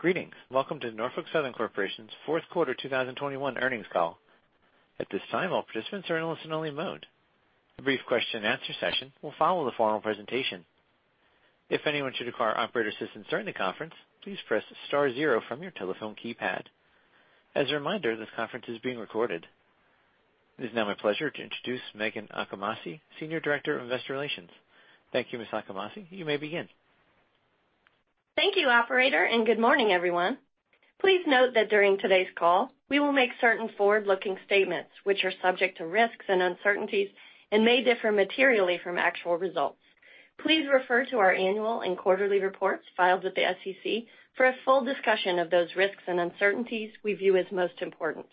Greetings. Welcome to Norfolk Southern Corporation's Q4 2021 earnings call. At this time, all participants are in listen-only mode. A brief Q&A session will follow the formal presentation. If anyone should require operator assistance during the conference, please press star zero from your telephone keypad. As a reminder, this conference is being recorded. It is now my pleasure to introduce Meghan Achimasi, Senior Director of Investor Relations. Thank you, Ms. Achimasi. You may begin. Thank you, operator, and good morning, everyone. Please note that during today's call, we will make certain forward-looking statements which are subject to risks and uncertainties and may differ materially from actual results. Please refer to our annual and quarterly reports filed with the SEC for a full discussion of those risks and uncertainties we view as most important.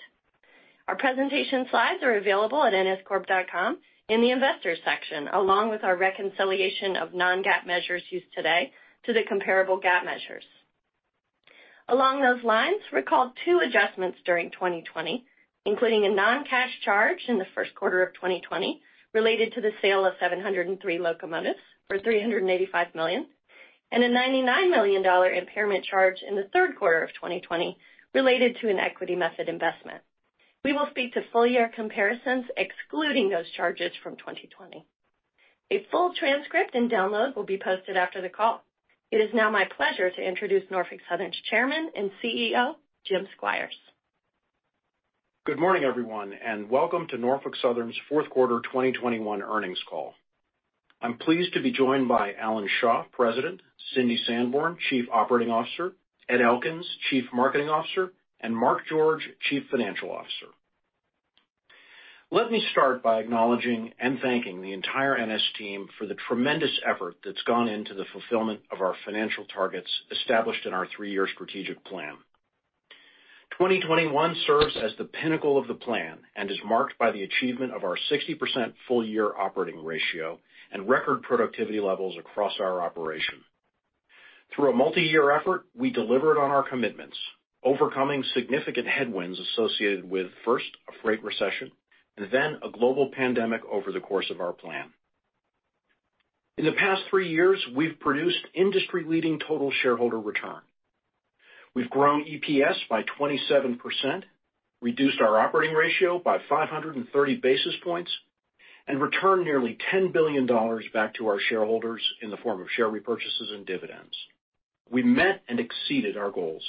Our presentation slides are available at nscorp.com in the Investors section, along with our reconciliation of non-GAAP measures used today to the comparable GAAP measures. Along those lines, recall two adjustments during 2020, including a non-cash charge in the Q1 of 2020 related to the sale of 703 locomotives for $385 million, and a $99 million impairment charge in the Q3 of 2020 related to an equity method investment. We will speak to full-year comparisons excluding those charges from 2020. A full transcript and download will be posted after the call. It is now my pleasure to introduce Norfolk Southern's Chairman and CEO, James Squires. Good morning, everyone, and welcome to Norfolk Southern's Q4 2021 earnings call. I'm pleased to be joined by Alan Shaw, President, Cindy Sanborn, Chief Operating Officer, Ed Elkins, Chief Marketing Officer, and Mark George, Chief Financial Officer. Let me start by acknowledging and thanking the entire NS team for the tremendous effort that's gone into the fulfillment of our financial targets established in our 3-year strategic plan. 2021 serves as the pinnacle of the plan and is marked by the achievement of our 60% full-year operating ratio and record productivity levels across our operation. Through a multi-year effort, we delivered on our commitments, overcoming significant headwinds associated with, first, a freight recession, and then a global pandemic over the course of our plan. In the past 3 years, we've produced industry-leading total shareholder return. We've grown EPS by 27%, reduced our operating ratio by 530 basis points, and returned nearly $10 billion back to our shareholders in the form of share repurchases and dividends. We met and exceeded our goals,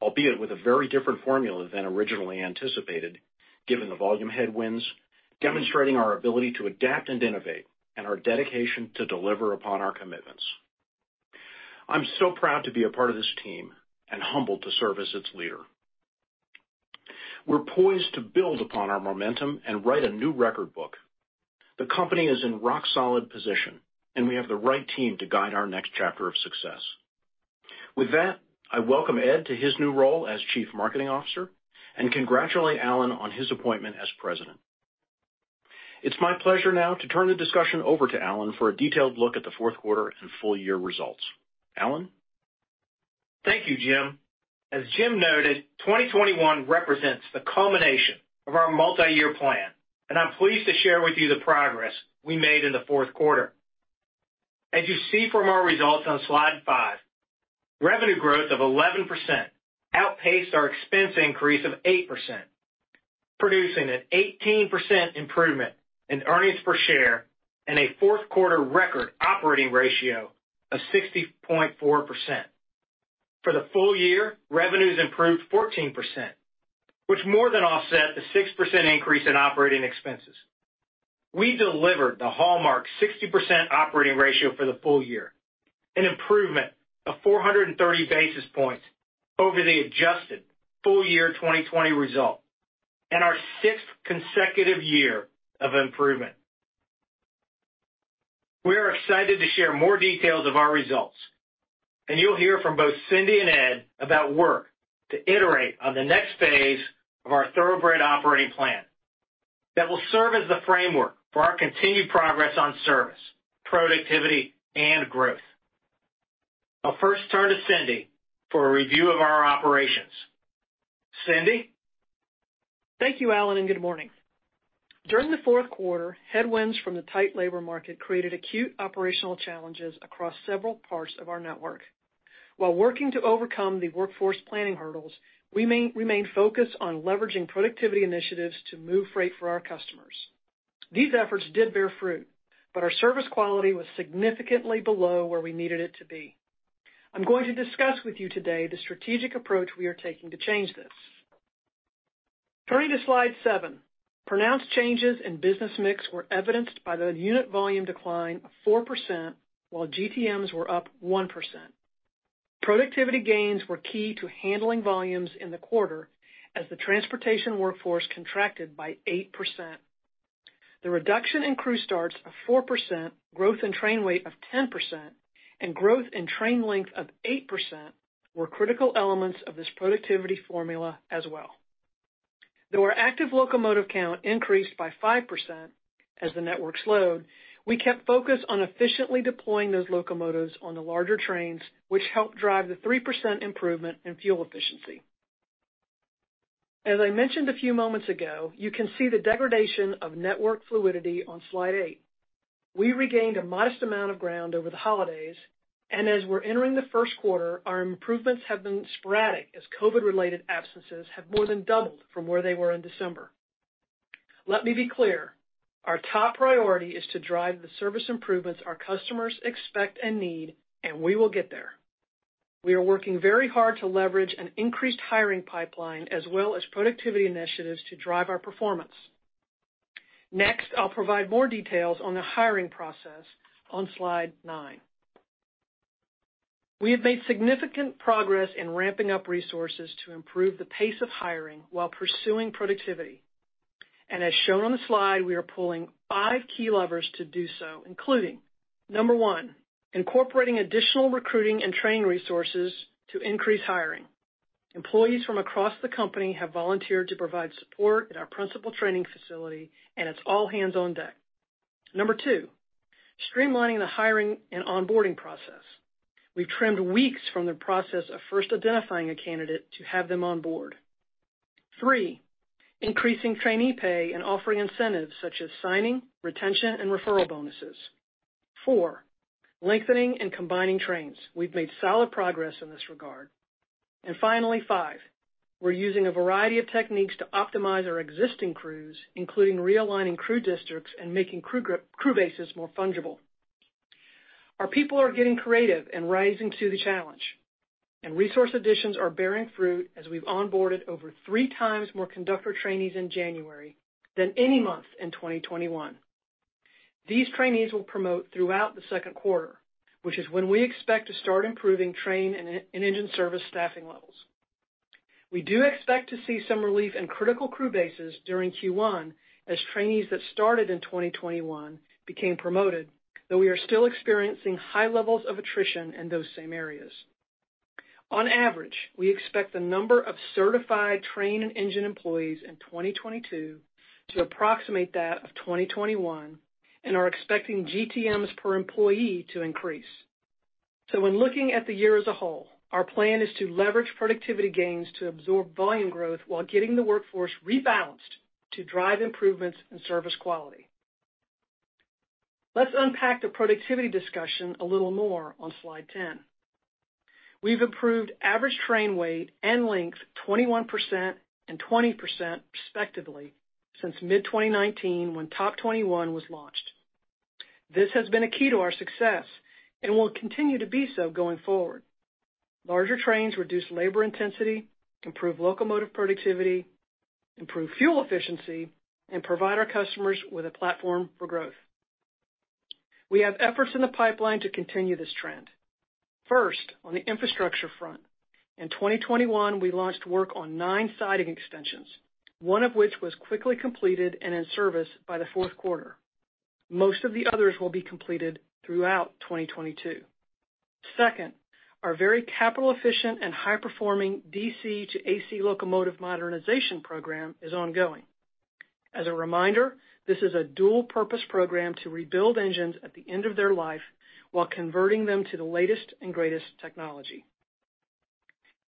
albeit with a very different formula than originally anticipated, given the volume headwinds, demonstrating our ability to adapt and innovate and our dedication to deliver upon our commitments. I'm so proud to be a part of this team and humbled to serve as its leader. We're poised to build upon our momentum and write a new record book. The company is in rock-solid position, and we have the right team to guide our next chapter of success. With that, I welcome Ed Elkins to his new role as Chief Marketing Officer and congratulate Alan Shaw on his appointment as President. It's my pleasure now to turn the discussion over to Alan for a detailed look at the Q4 and full-year results. Alan? Thank you, Jim. As Jim noted, 2021 represents the culmination of our multi-year plan, and I'm pleased to share with you the progress we made in the Q4. As you see from our results on slide 5, revenue growth of 11% outpaced our expense increase of 8%, producing an 18% improvement in earnings per share and a Q4 record operating ratio of 60.4%. For the full year, revenues improved 14%, which more than offset the 6% increase in operating expenses. We delivered the hallmark 60% operating ratio for the full year, an improvement of 430 basis points over the adjusted full year 2020 result and our 6th consecutive year of improvement. We are excited to share more details of our results, and you'll hear from both Cindy and Ed about work to iterate on the next phase of our Thoroughbred Operating Plan that will serve as the framework for our continued progress on service, productivity, and growth. I'll first turn to Cindy for a review of our operations. Cindy? Thank you, Alan, and good morning. During the Q4, headwinds from the tight labor market created acute operational challenges across several parts of our network. While working to overcome the workforce planning hurdles, we maintained focused on leveraging productivity initiatives to move freight for our customers. These efforts did bear fruit, but our service quality was significantly below where we needed it to be. I'm going to discuss with you today the strategic approach we are taking to change this. Turning to slide 7, pronounced changes in business mix were evidenced by the unit volume decline of 4%, while GTMs were up 1%. Productivity gains were key to handling volumes in the quarter as the transportation workforce contracted by 8%. The reduction in crew starts of 4%, growth in train weight of 10%, and growth in train length of 8% were critical elements of this productivity formula as well. Though our active locomotive count increased by 5% as the network's load, we kept focused on efficiently deploying those locomotives on the larger trains, which helped drive the 3% improvement in fuel efficiency. As I mentioned a few moments ago, you can see the degradation of network fluidity on slide 8. We regained a modest amount of ground over the holidays, and as we're entering the Q1, our improvements have been sporadic as COVID-related absences have more than doubled from where they were in December. Let me be clear, our top priority is to drive the service improvements our customers expect and need, and we will get there. We are working very hard to leverage an increased hiring pipeline as well as productivity initiatives to drive our performance. Next, I'll provide more details on the hiring process on slide 9. We have made significant progress in ramping up resources to improve the pace of hiring while pursuing productivity. As shown on the slide, we are pulling 5 key levers to do so, including, number 1, incorporating additional recruiting and training resources to increase hiring. Employees from across the company have volunteered to provide support at our principal training facility, and it's all hands on deck. Number 2, streamlining the hiring and onboarding process. We've trimmed weeks from the process of first identifying a candidate to have them on board. 3, increasing trainee pay and offering incentives such as signing, retention, and referral bonuses. 4, lengthening and combining trains. We've made solid progress in this regard. Finally, five, we're using a variety of techniques to optimize our existing crews, including realigning crew districts and making crew bases more fungible. Our people are getting creative and rising to the challenge, and resource additions are bearing fruit as we've onboarded over 3x more conductor trainees in January than any month in 2021. These trainees will promote throughout the Q2, which is when we expect to start improving train and engine service staffing levels. We do expect to see some relief in critical crew bases during Q1 as trainees that started in 2021 became promoted, though we are still experiencing high levels of attrition in those same areas. On average, we expect the number of certified train and engine employees in 2022 to approximate that of 2021 and are expecting GTMs per employee to increase. When looking at the year as a whole, our plan is to leverage productivity gains to absorb volume growth while getting the workforce rebalanced to drive improvements in service quality. Let's unpack the productivity discussion a little more on slide 10. We've improved average train weight and length 21% and 20% respectively since mid-2019 when TOP 21 was launched. This has been a key to our success and will continue to be so going forward. Larger trains reduce labor intensity, improve locomotive productivity, improve fuel efficiency, and provide our customers with a platform for growth. We have efforts in the pipeline to continue this trend. First, on the infrastructure front, in 2021, we launched work on 9 siding extensions, one of which was quickly completed and in service by the Q4. Most of the others will be completed throughout 2022. Second, our very capital-efficient and high-performing DC-to-AC locomotive modernization program is ongoing. As a reminder, this is a dual-purpose program to rebuild engines at the end of their life while converting them to the latest and greatest technology.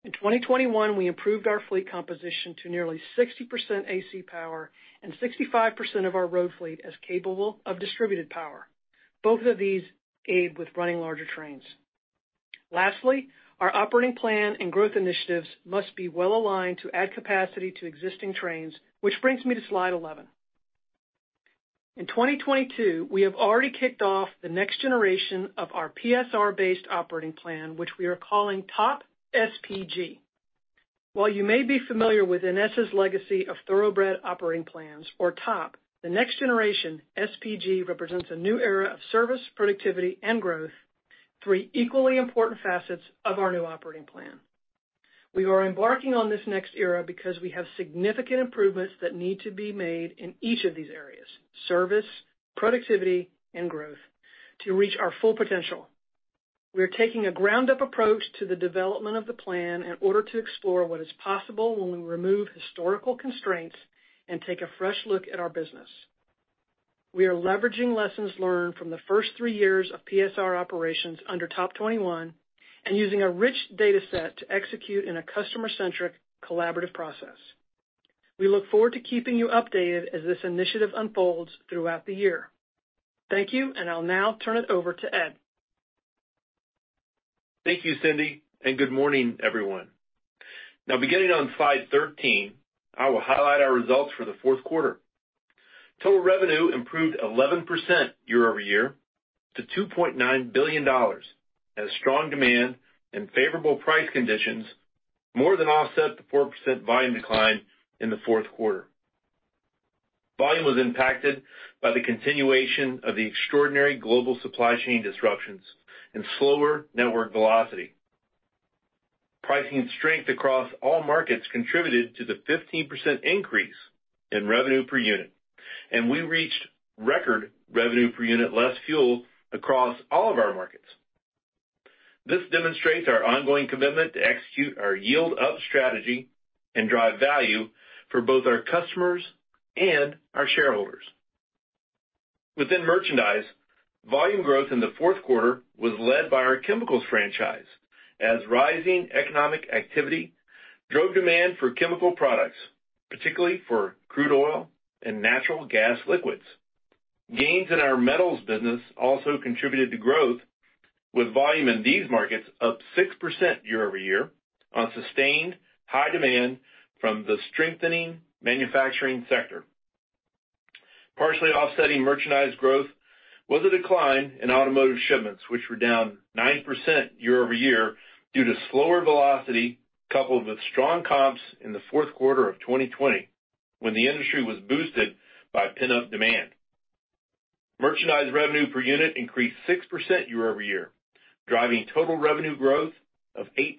In 2021, we improved our fleet composition to nearly 60% AC power and 65% of our road fleet as capable of distributed power. Both of these aid with running larger trains. Lastly, our operating plan and growth initiatives must be well aligned to add capacity to existing trains, which brings me to slide 11. In 2022, we have already kicked off the next generation of our PSR-based operating plan, which we are calling TOP SPG. While you may be familiar with NS's legacy of Thoroughbred Operating Plans or TOP, the next generation, SPG, represents a new era of service, productivity, and growth, three equally important facets of our new operating plan. We are embarking on this next era because we have significant improvements that need to be made in each of these areas, service, productivity, and growth, to reach our full potential. We are taking a ground-up approach to the development of the plan in order to explore what is possible when we remove historical constraints and take a fresh look at our business. We are leveraging lessons learned from the first three years of PSR operations under TOP 21 and using a rich data set to execute in a customer-centric collaborative process. We look forward to keeping you updated as this initiative unfolds throughout the year. Thank you, and I'll now turn it over to Ed. Thank you, Cindy, and good morning, everyone. Now, beginning on slide 13, I will highlight our results for the Q4. Total revenue improved 11% year-over-year to $2.9 billion as strong demand and favorable price conditions more than offset the 4% volume decline in the Q4. Volume was impacted by the continuation of the extraordinary global supply chain disruptions and slower network velocity. Pricing strength across all markets contributed to the 15% increase in revenue per unit, and we reached record revenue per unit less fuel across all of our markets. This demonstrates our ongoing commitment to execute our Yield Up strategy and drive value for both our customers and our shareholders. Within Merchandise, volume growth in the Q4 was led by our Chemicals franchise as rising economic activity drove demand for chemical products, particularly for crude oil and natural gas liquids. Gains in our Metals business also contributed to growth with volume in these markets up 6% year-over-year on sustained high demand from the strengthening manufacturing sector. Partially offsetting Merchandise growth was a decline in Automotive shipments, which were down 9% year-over-year due to slower velocity, coupled with strong comps in the Q4 of 2020 when the industry was boosted by pent-up demand. Merchandise revenue per unit increased 6% year-over-year, driving total revenue growth of 8%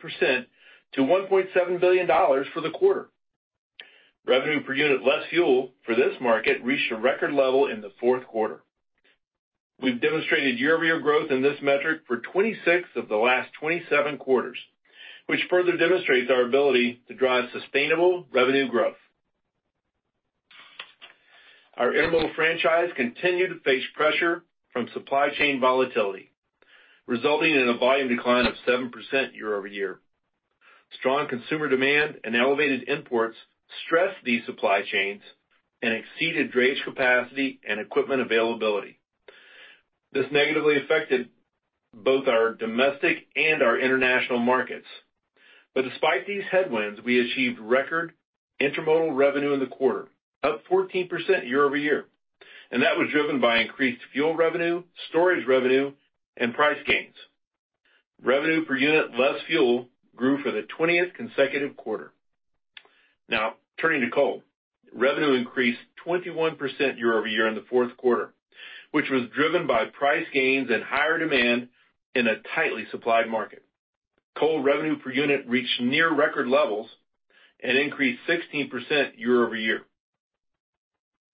to $1.7 billion for the quarter. Revenue per unit less fuel for this market reached a record level in the Q4. We've demonstrated year-over-year growth in this metric for 26 of the last 27 quarters, which further demonstrates our ability to drive sustainable revenue growth. Our intermodal franchise continued to face pressure from supply chain volatility, resulting in a volume decline of 7% year-over-year. Strong consumer demand and elevated imports stressed these supply chains and exceeded drayage capacity and equipment availability. This negatively affected both our domestic and our international markets. Despite these headwinds, we achieved record intermodal revenue in the quarter, up 14% year-over-year, and that was driven by increased fuel revenue, storage revenue, and price gains. Revenue per unit less fuel grew for the 20th consecutive quarter. Now, turning to coal. Revenue increased 21% year-over-year in the Q4, which was driven by price gains and higher demand in a tightly supplied market. Coal revenue per unit reached near record levels and increased 16% year-over-year.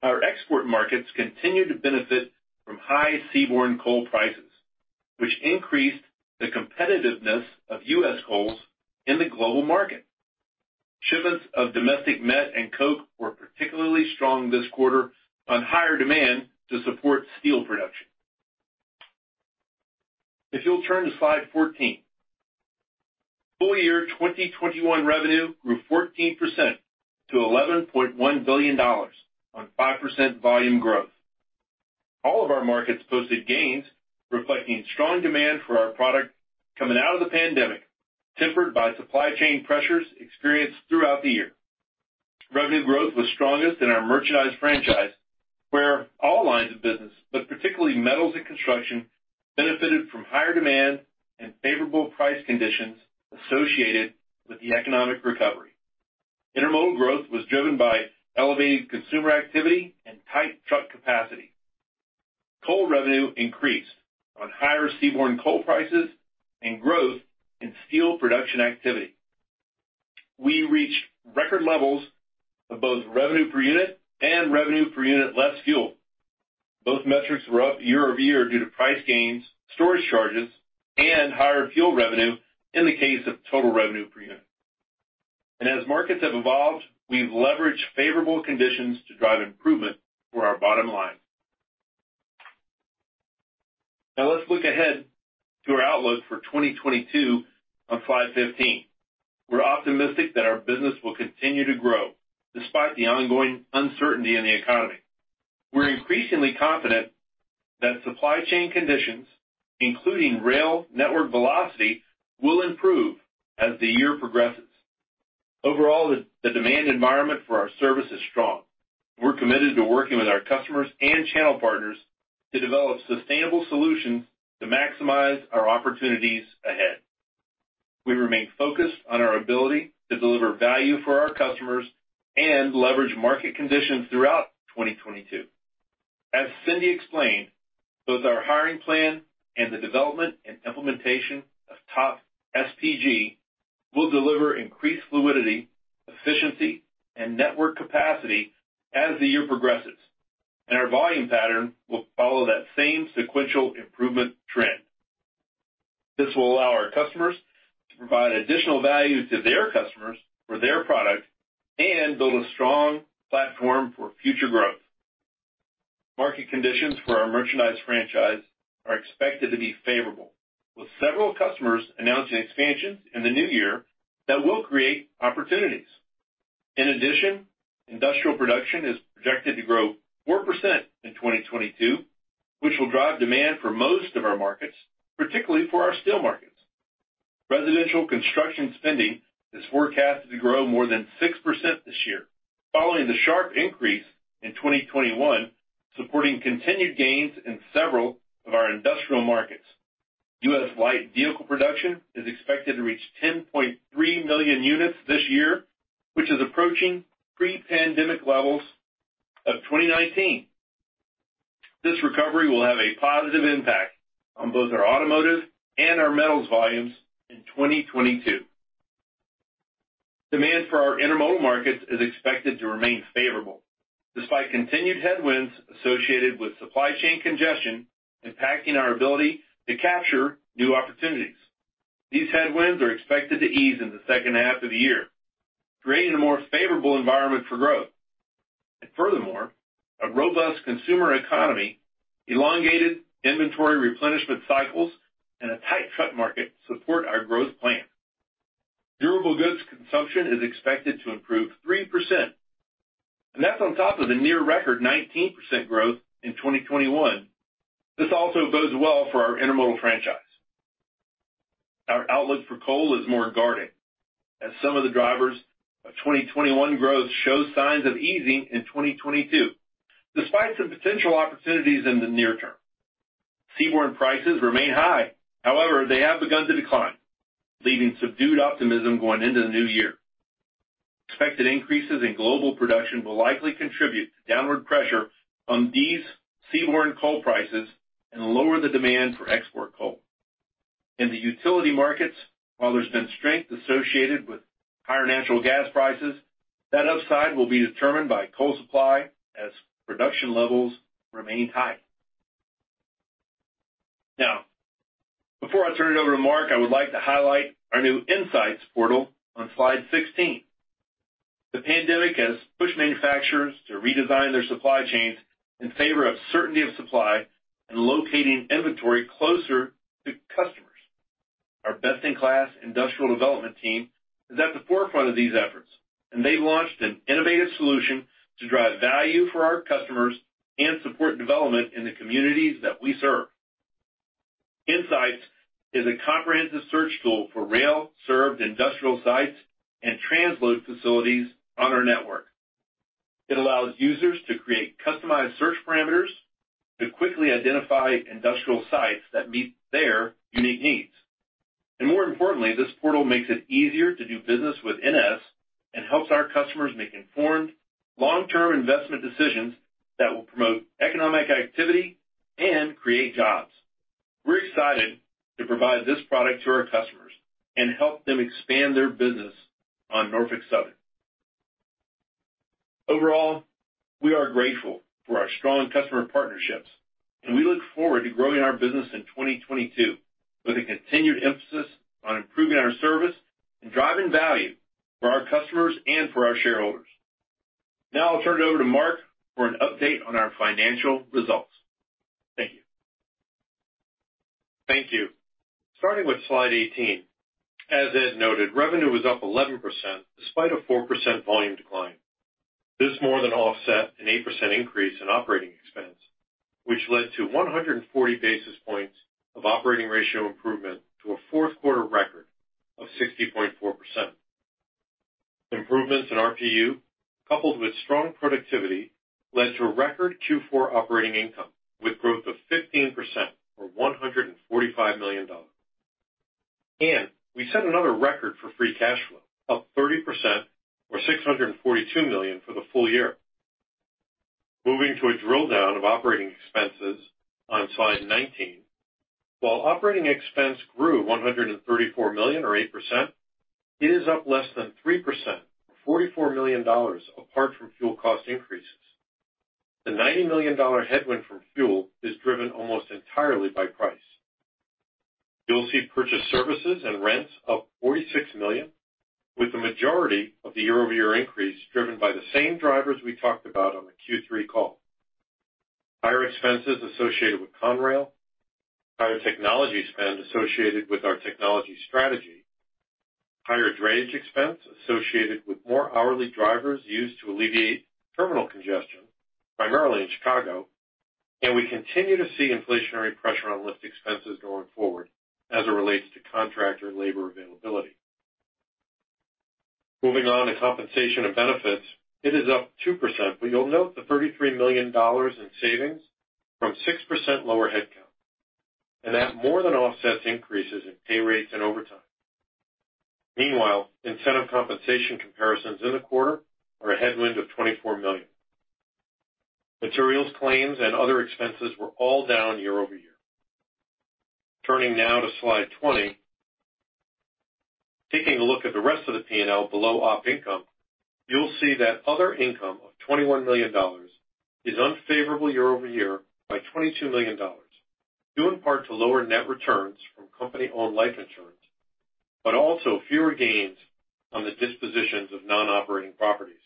Our export markets continued to benefit from high seaborne coal prices, which increased the competitiveness of U.S. coals in the global market. Shipments of domestic met and coke were particularly strong this quarter on higher demand to support steel production. If you'll turn to slide 14. Full year 2021 revenue grew 14% to $1.1 billion on 5% volume growth. All of our markets posted gains reflecting strong demand for our product coming out of the pandemic, tempered by supply chain pressures experienced throughout the year. Revenue growth was strongest in our merchandise franchise, where all lines of business, but particularly metals and construction, benefited from higher demand and favorable price conditions associated with the economic recovery. Intermodal growth was driven by elevated consumer activity and tight truck capacity. Coal revenue increased on higher seaborne coal prices and growth in steel production activity. We reached record levels of both revenue per unit and revenue per unit less fuel. Both metrics were up year over year due to price gains, storage charges, and higher fuel revenue in the case of total revenue per unit. As markets have evolved, we've leveraged favorable conditions to drive improvement for our bottom line. Now, let's look ahead to our outlook for 2022 on slide 15. We're optimistic that our business will continue to grow despite the ongoing uncertainty in the economy. We're increasingly confident that supply chain conditions, including rail network velocity, will improve as the year progresses. Overall, the demand environment for our service is strong. We're committed to working with our customers and channel partners to develop sustainable solutions to maximize our opportunities ahead. We remain focused on our ability to deliver value for our customers and leverage market conditions throughout 2022. As Cindy explained, both our hiring plan and the development and implementation of TOP SPG will deliver increased fluidity, efficiency, and network capacity as the year progresses, and our volume pattern will follow that same sequential improvement trend. This will allow our customers to provide additional value to their customers for their product and build a strong platform for future growth. Market conditions for our merchandise franchise are expected to be favorable, with several customers announcing expansions in the new year that will create opportunities. In addition, industrial production is projected to grow 4% in 2022, which will drive demand for most of our markets, particularly for our steel markets. Residential construction spending is forecasted to grow more than 6% this year, following the sharp increase in 2021, supporting continued gains in several of our industrial markets. U.S. light vehicle production is expected to reach 10.3 million units this year, which is approaching pre-pandemic levels of 2019. This recovery will have a positive impact on both our automotive and our metals volumes in 2022. Demand for our intermodal markets is expected to remain favorable despite continued headwinds associated with supply chain congestion impacting our ability to capture new opportunities. These headwinds are expected to ease in the H2 of the year, creating a more favorable environment for growth. Furthermore, a robust consumer economy, elongated inventory replenishment cycles, and a tight truck market support our growth plans. Durable goods consumption is expected to improve 3%, and that's on top of the near record 19% growth in 2021. This also bodes well for our intermodal franchise. Our outlook for coal is more guarded as some of the drivers of 2021 growth show signs of easing in 2022, despite some potential opportunities in the near term. Seaborne prices remain high. However, they have begun to decline, leaving subdued optimism going into the new year. Expected increases in global production will likely contribute to downward pressure on these seaborne coal prices and lower the demand for export coal. In the utility markets, while there's been strength associated with higher natural gas prices, that upside will be determined by coal supply as production levels remain high. Now, before I turn it over to Mark, I would like to highlight our new Insights portal on slide 16. The pandemic has pushed manufacturers to redesign their supply chains in favor of certainty of supply and locating inventory closer to customers. Our best-in-class industrial development team is at the forefront of these efforts, and they've launched an innovative solution to drive value for our customers and support development in the communities that we serve. Insights is a comprehensive search tool for rail-served industrial sites and transload facilities on our network. It allows users to create customized search parameters to quickly identify industrial sites that meet their unique needs. More importantly, this portal makes it easier to do business with NS and helps our customers make informed long-term investment decisions that will promote economic activity and create jobs. We're excited to provide this product to our customers and help them expand their business on Norfolk Southern. Overall, we are grateful for our strong customer partnerships, and we look forward to growing our business in 2022 with a continued emphasis on improving our service and driving value for our customers and for our shareholders. Now I'll turn it over to Mark for an update on our financial results. Thank you. Thank you. Starting with slide 18, as Ed noted, revenue was up 11% despite a 4% volume decline. This more than offset an 8% increase in operating expense, which led to 140 basis points of operating ratio improvement to a Q4 record of 60.4%. Improvements in RPU, coupled with strong productivity, led to a record Q4 operating income, with growth of 15% or $145 million. We set another record for free cash flow, up 30% or $642 million for the full year. Moving to a drill down of operating expenses on slide 19. While operating expense grew $134 million or 8%, it is up less than 3% or $44 million apart from fuel cost increases. The $90 million headwind from fuel is driven almost entirely by price. You'll see purchased services and rents up $46 million, with the majority of the year-over-year increase driven by the same drivers we talked about on the Q3 call. Higher expenses associated with Conrail, higher technology spend associated with our technology strategy, higher drayage expense associated with more hourly drivers used to alleviate terminal congestion, primarily in Chicago, and we continue to see inflationary pressure on lift expenses going forward as it relates to contractor labor availability. Moving on to compensation and benefits, it is up 2%, but you'll note the $33 million in savings from 6% lower headcount, and that more than offsets increases in pay rates and overtime. Meanwhile, incentive compensation comparisons in the quarter are a headwind of $24 million. Materials, claims, and other expenses were all down year over year. Turning now to slide 20. Taking a look at the rest of the P&L below op income, you'll see that other income of $21 million is unfavorable year-over-year by $22 million, due in part to lower net returns from company-owned life insurance, but also fewer gains on the dispositions of non-operating properties.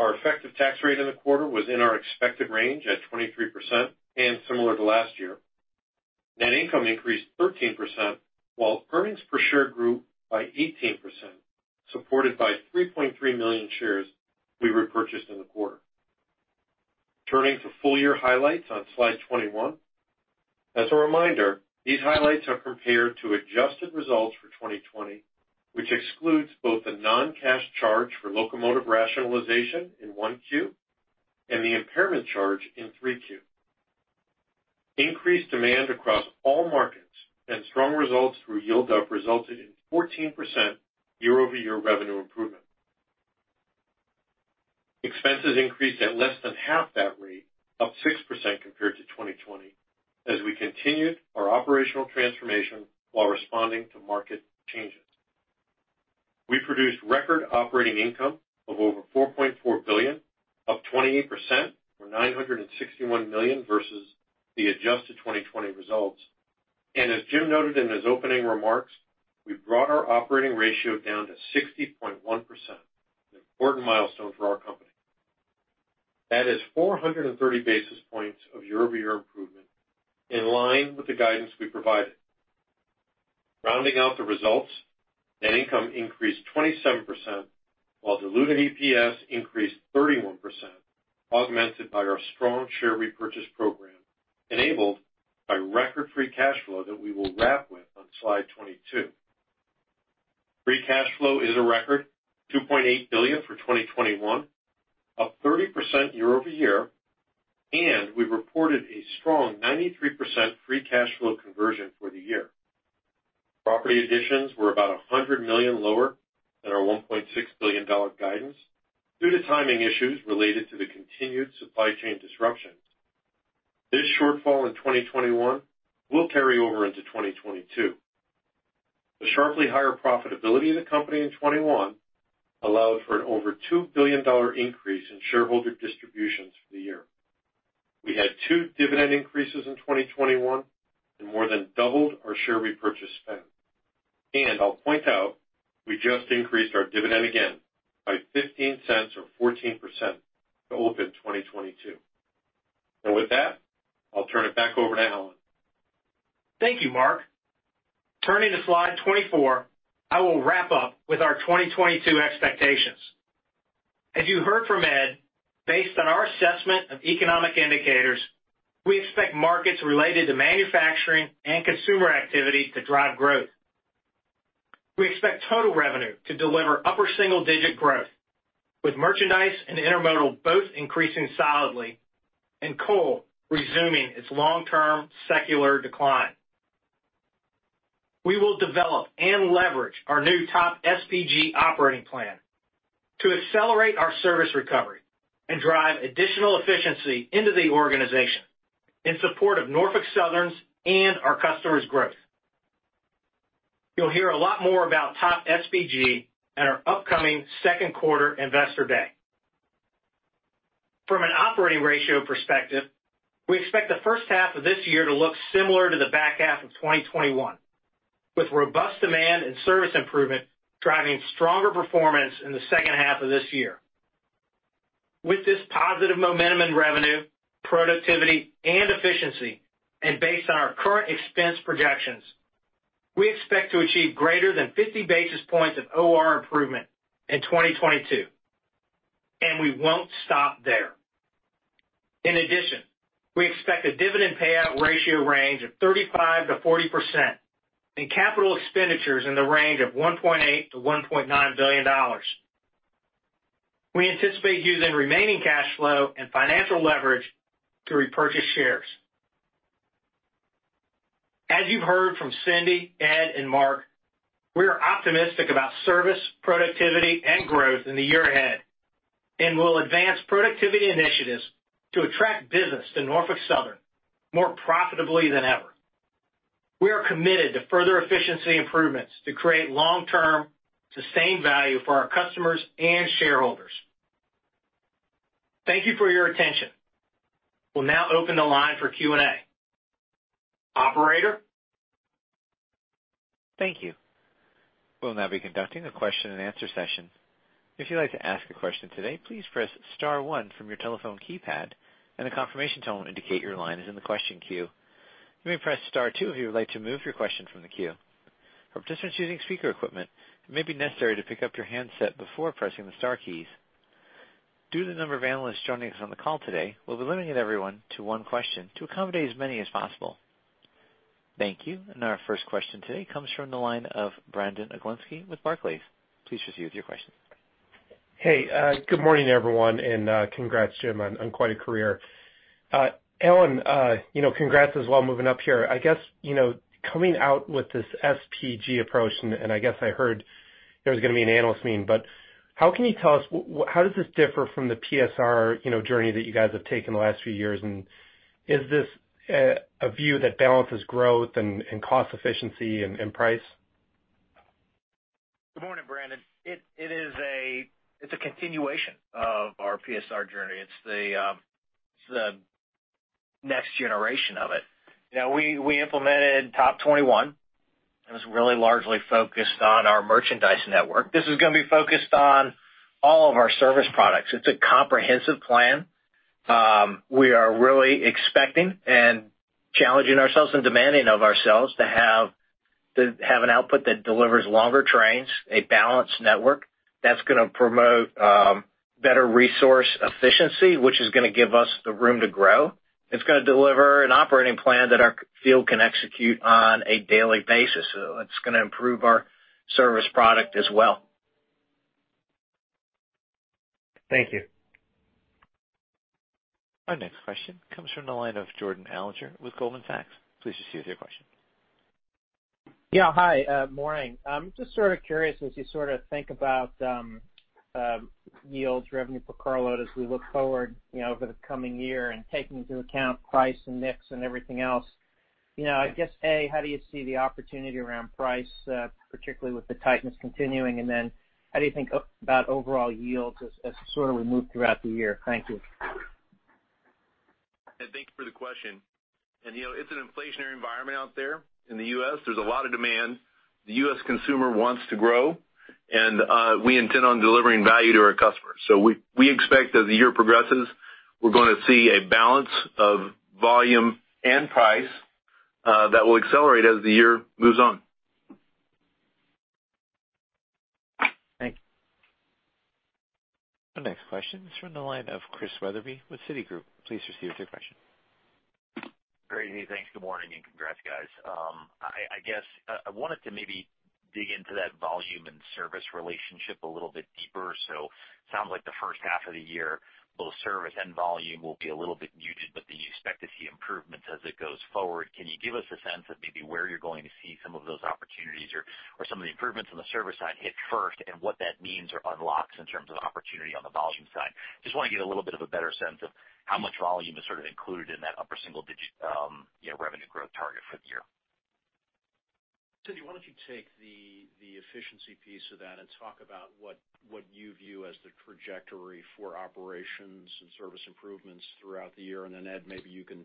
Our effective tax rate in the quarter was in our expected range at 23% and similar to last year. Net income increased 13%, while earnings per share grew by 18%, supported by 3.3 million shares we repurchased in the quarter. Turning to full-year highlights on slide 21. As a reminder, these highlights are compared to adjusted results for 2020, which excludes both the non-cash charge for locomotive rationalization in 1Q and the impairment charge in 3Q. Increased demand across all markets and strong results through Yield Up resulted in 14% year-over-year revenue improvement. Expenses increased at less than half that rate, up 6% compared to 2020 as we continued our operational transformation while responding to market changes. We produced record operating income of over $4.4 billion, up 28%, or $961 million versus the adjusted 2020 results. As Jim noted in his opening remarks, we've brought our operating ratio down to 60.1%, an important milestone for our company. That is 430 basis points of year-over-year improvement, in line with the guidance we provided. Rounding out the results, net income increased 27%, while diluted EPS increased 31%, augmented by our strong share repurchase program, enabled by record free cash flow that we will wrap with on slide 22. Free cash flow is a record $2.8 billion for 2021, up 30% year-over-year, and we reported a strong 93% free cash flow conversion for the year. Property additions were about $100 million lower than our $1.6 billion guidance due to timing issues related to the continued supply chain disruptions. This shortfall in 2021 will carry over into 2022. The sharply higher profitability of the company in 2021 allowed for an over $2 billion increase in shareholder distributions for the year. We had 2 dividend increases in 2021 and more than doubled our share repurchase spend. I'll point out, we just increased our dividend again by $0.15 or 14% to open 2022. With that, I'll turn it back over to Alan. Thank you, Mark. Turning to slide 24, I will wrap up with our 2022 expectations. As you heard from Ed, based on our assessment of economic indicators, we expect markets related to manufacturing and consumer activity to drive growth. We expect total revenue to deliver upper single-digit growth, with merchandise and intermodal both increasing solidly and coal resuming its long-term secular decline. We will develop and leverage our new TOP SPG operating plan to accelerate our service recovery and drive additional efficiency into the organization in support of Norfolk Southern's and our customers' growth. You'll hear a lot more about TOP SPG at our upcoming Q2 Investor Day. From an operating ratio perspective, we expect the H1 of this year to look similar to the back half of 2021, with robust demand and service improvement driving stronger performance in the H2 of this year. With this positive momentum in revenue, productivity, and efficiency, and based on our current expense projections, we expect to achieve greater than 50 basis points of OR improvement in 2022, and we won't stop there. In addition, we expect a dividend payout ratio range of 35% to 40% and CapEx in the range of $1.8 billion to $1.9 billion. We anticipate using remaining cash flow and financial leverage to repurchase shares. As you've heard from Cindy, Ed, and Mark, we are optimistic about service, productivity, and growth in the year ahead and will advance productivity initiatives to attract business to Norfolk Southern more profitably than ever. We are committed to further efficiency improvements to create long-term, sustained value for our customers and shareholders. Thank you for your attention. We'll now open the line for Q&A. Operator? Thank you. We'll now be conducting a Q&A session. If you'd like to ask a question today, please press * one from your telephone keypad and a confirmation tone will indicate your line is in the question queue. You may press * two if you would like to move your question from the queue. For participants using speaker equipment, it may be necessary to pick up your handset before pressing the * keys. Due to the number of analysts joining us on the call today, we'll be limiting everyone to one question to accommodate as many as possible. Thank you. Our first question today comes from the line of Brandon Oglenski with Barclays. Please proceed with your question. Hey, good morning, everyone, and congrats, Jim, on quite a career. Alan, you know, congrats as well moving up here. I guess, you know, coming out with this SPG approach, and I guess I heard there was gonna be an analyst meeting, but how can you tell us how does this differ from the PSR, you know, journey that you guys have taken the last few years? And is this a view that balances growth and cost efficiency and price? Good morning, Brandon. It's a continuation of our PSR journey. It's the next generation of it. You know, we implemented TOP 21, and it was really largely focused on our merchandise network. This is gonna be focused on all of our service products. It's a comprehensive plan. We are really expecting and challenging ourselves and demanding of ourselves to have an output that delivers longer trains, a balanced network that's gonna promote better resource efficiency, which is gonna give us the room to grow. It's gonna deliver an operating plan that our field can execute on a daily basis. It's gonna improve our service product as well. Thank you. Our next question comes from the line of Jordan Alliger with Goldman Sachs. Please proceed with your question. Yeah. Hi, morning. I'm just sort of curious, as you sort of think about yields, revenue per carload as we look forward, you know, over the coming year and taking into account price and mix and everything else, you know, I guess, A, how do you see the opportunity around price, particularly with the tightness continuing? And then how do you think about overall yields as we move throughout the year? Thank you. Thank you for the question. You know, it's an inflationary environment out there in the U.S. There's a lot of demand. The U.S. consumer wants to grow, and we intend on delivering value to our customers. We expect as the year progresses, we're gonna see a balance of volume and price that will accelerate as the year moves on. Thanks. Our next question is from the line of Chris Wetherbee with Citigroup. Please proceed with your question. Great. Thanks. Good morning and congrats, guys. I guess I wanted to maybe dig into that volume and service relationship a little bit deeper. Sounds like the H1 of the year, both service and volume will be a little bit muted, but then you expect to see improvements as it goes forward. Can you give us a sense of maybe where you're going to see some of those opportunities or some of the improvements on the service side hit first and what that means or unlocks in terms of opportunity on the volume side? Just wanna get a little bit of a better sense of how much volume is sort of included in that upper single digit, you know, revenue growth target for the year. Cindy, why don't you take the efficiency piece of that and talk about what you view as the trajectory for operations and service improvements throughout the year. Then Ed, maybe you can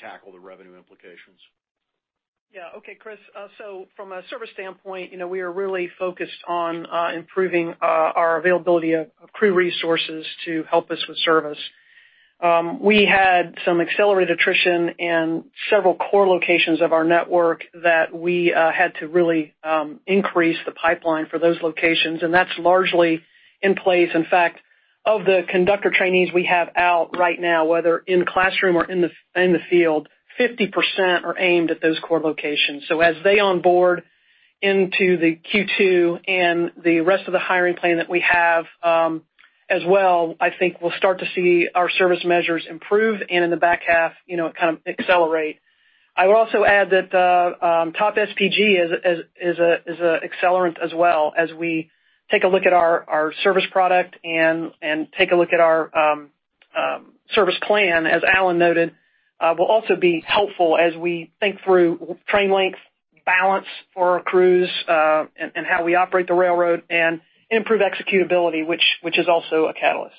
tackle the revenue implications. Yeah. Okay, Chris. From a service standpoint, you know, we are really focused on improving our availability of crew resources to help us with service. We had some accelerated attrition in several core locations of our network that we had to really increase the pipeline for those locations, and that's largely in place. In fact, of the conductor trainees we have out right now, whether in classroom or in the field, 50% are aimed at those core locations. As they onboard into the Q2 and the rest of the hiring plan that we have, as well, I think we'll start to see our service measures improve and in the back half, you know, kind of accelerate. I would also add that the TOP SPG is a accelerant as well as we take a look at our service product and take a look at our service plan. As Alan noted, it will also be helpful as we think through train length, balance for our crews, and how we operate the railroad and improve executability, which is also a catalyst.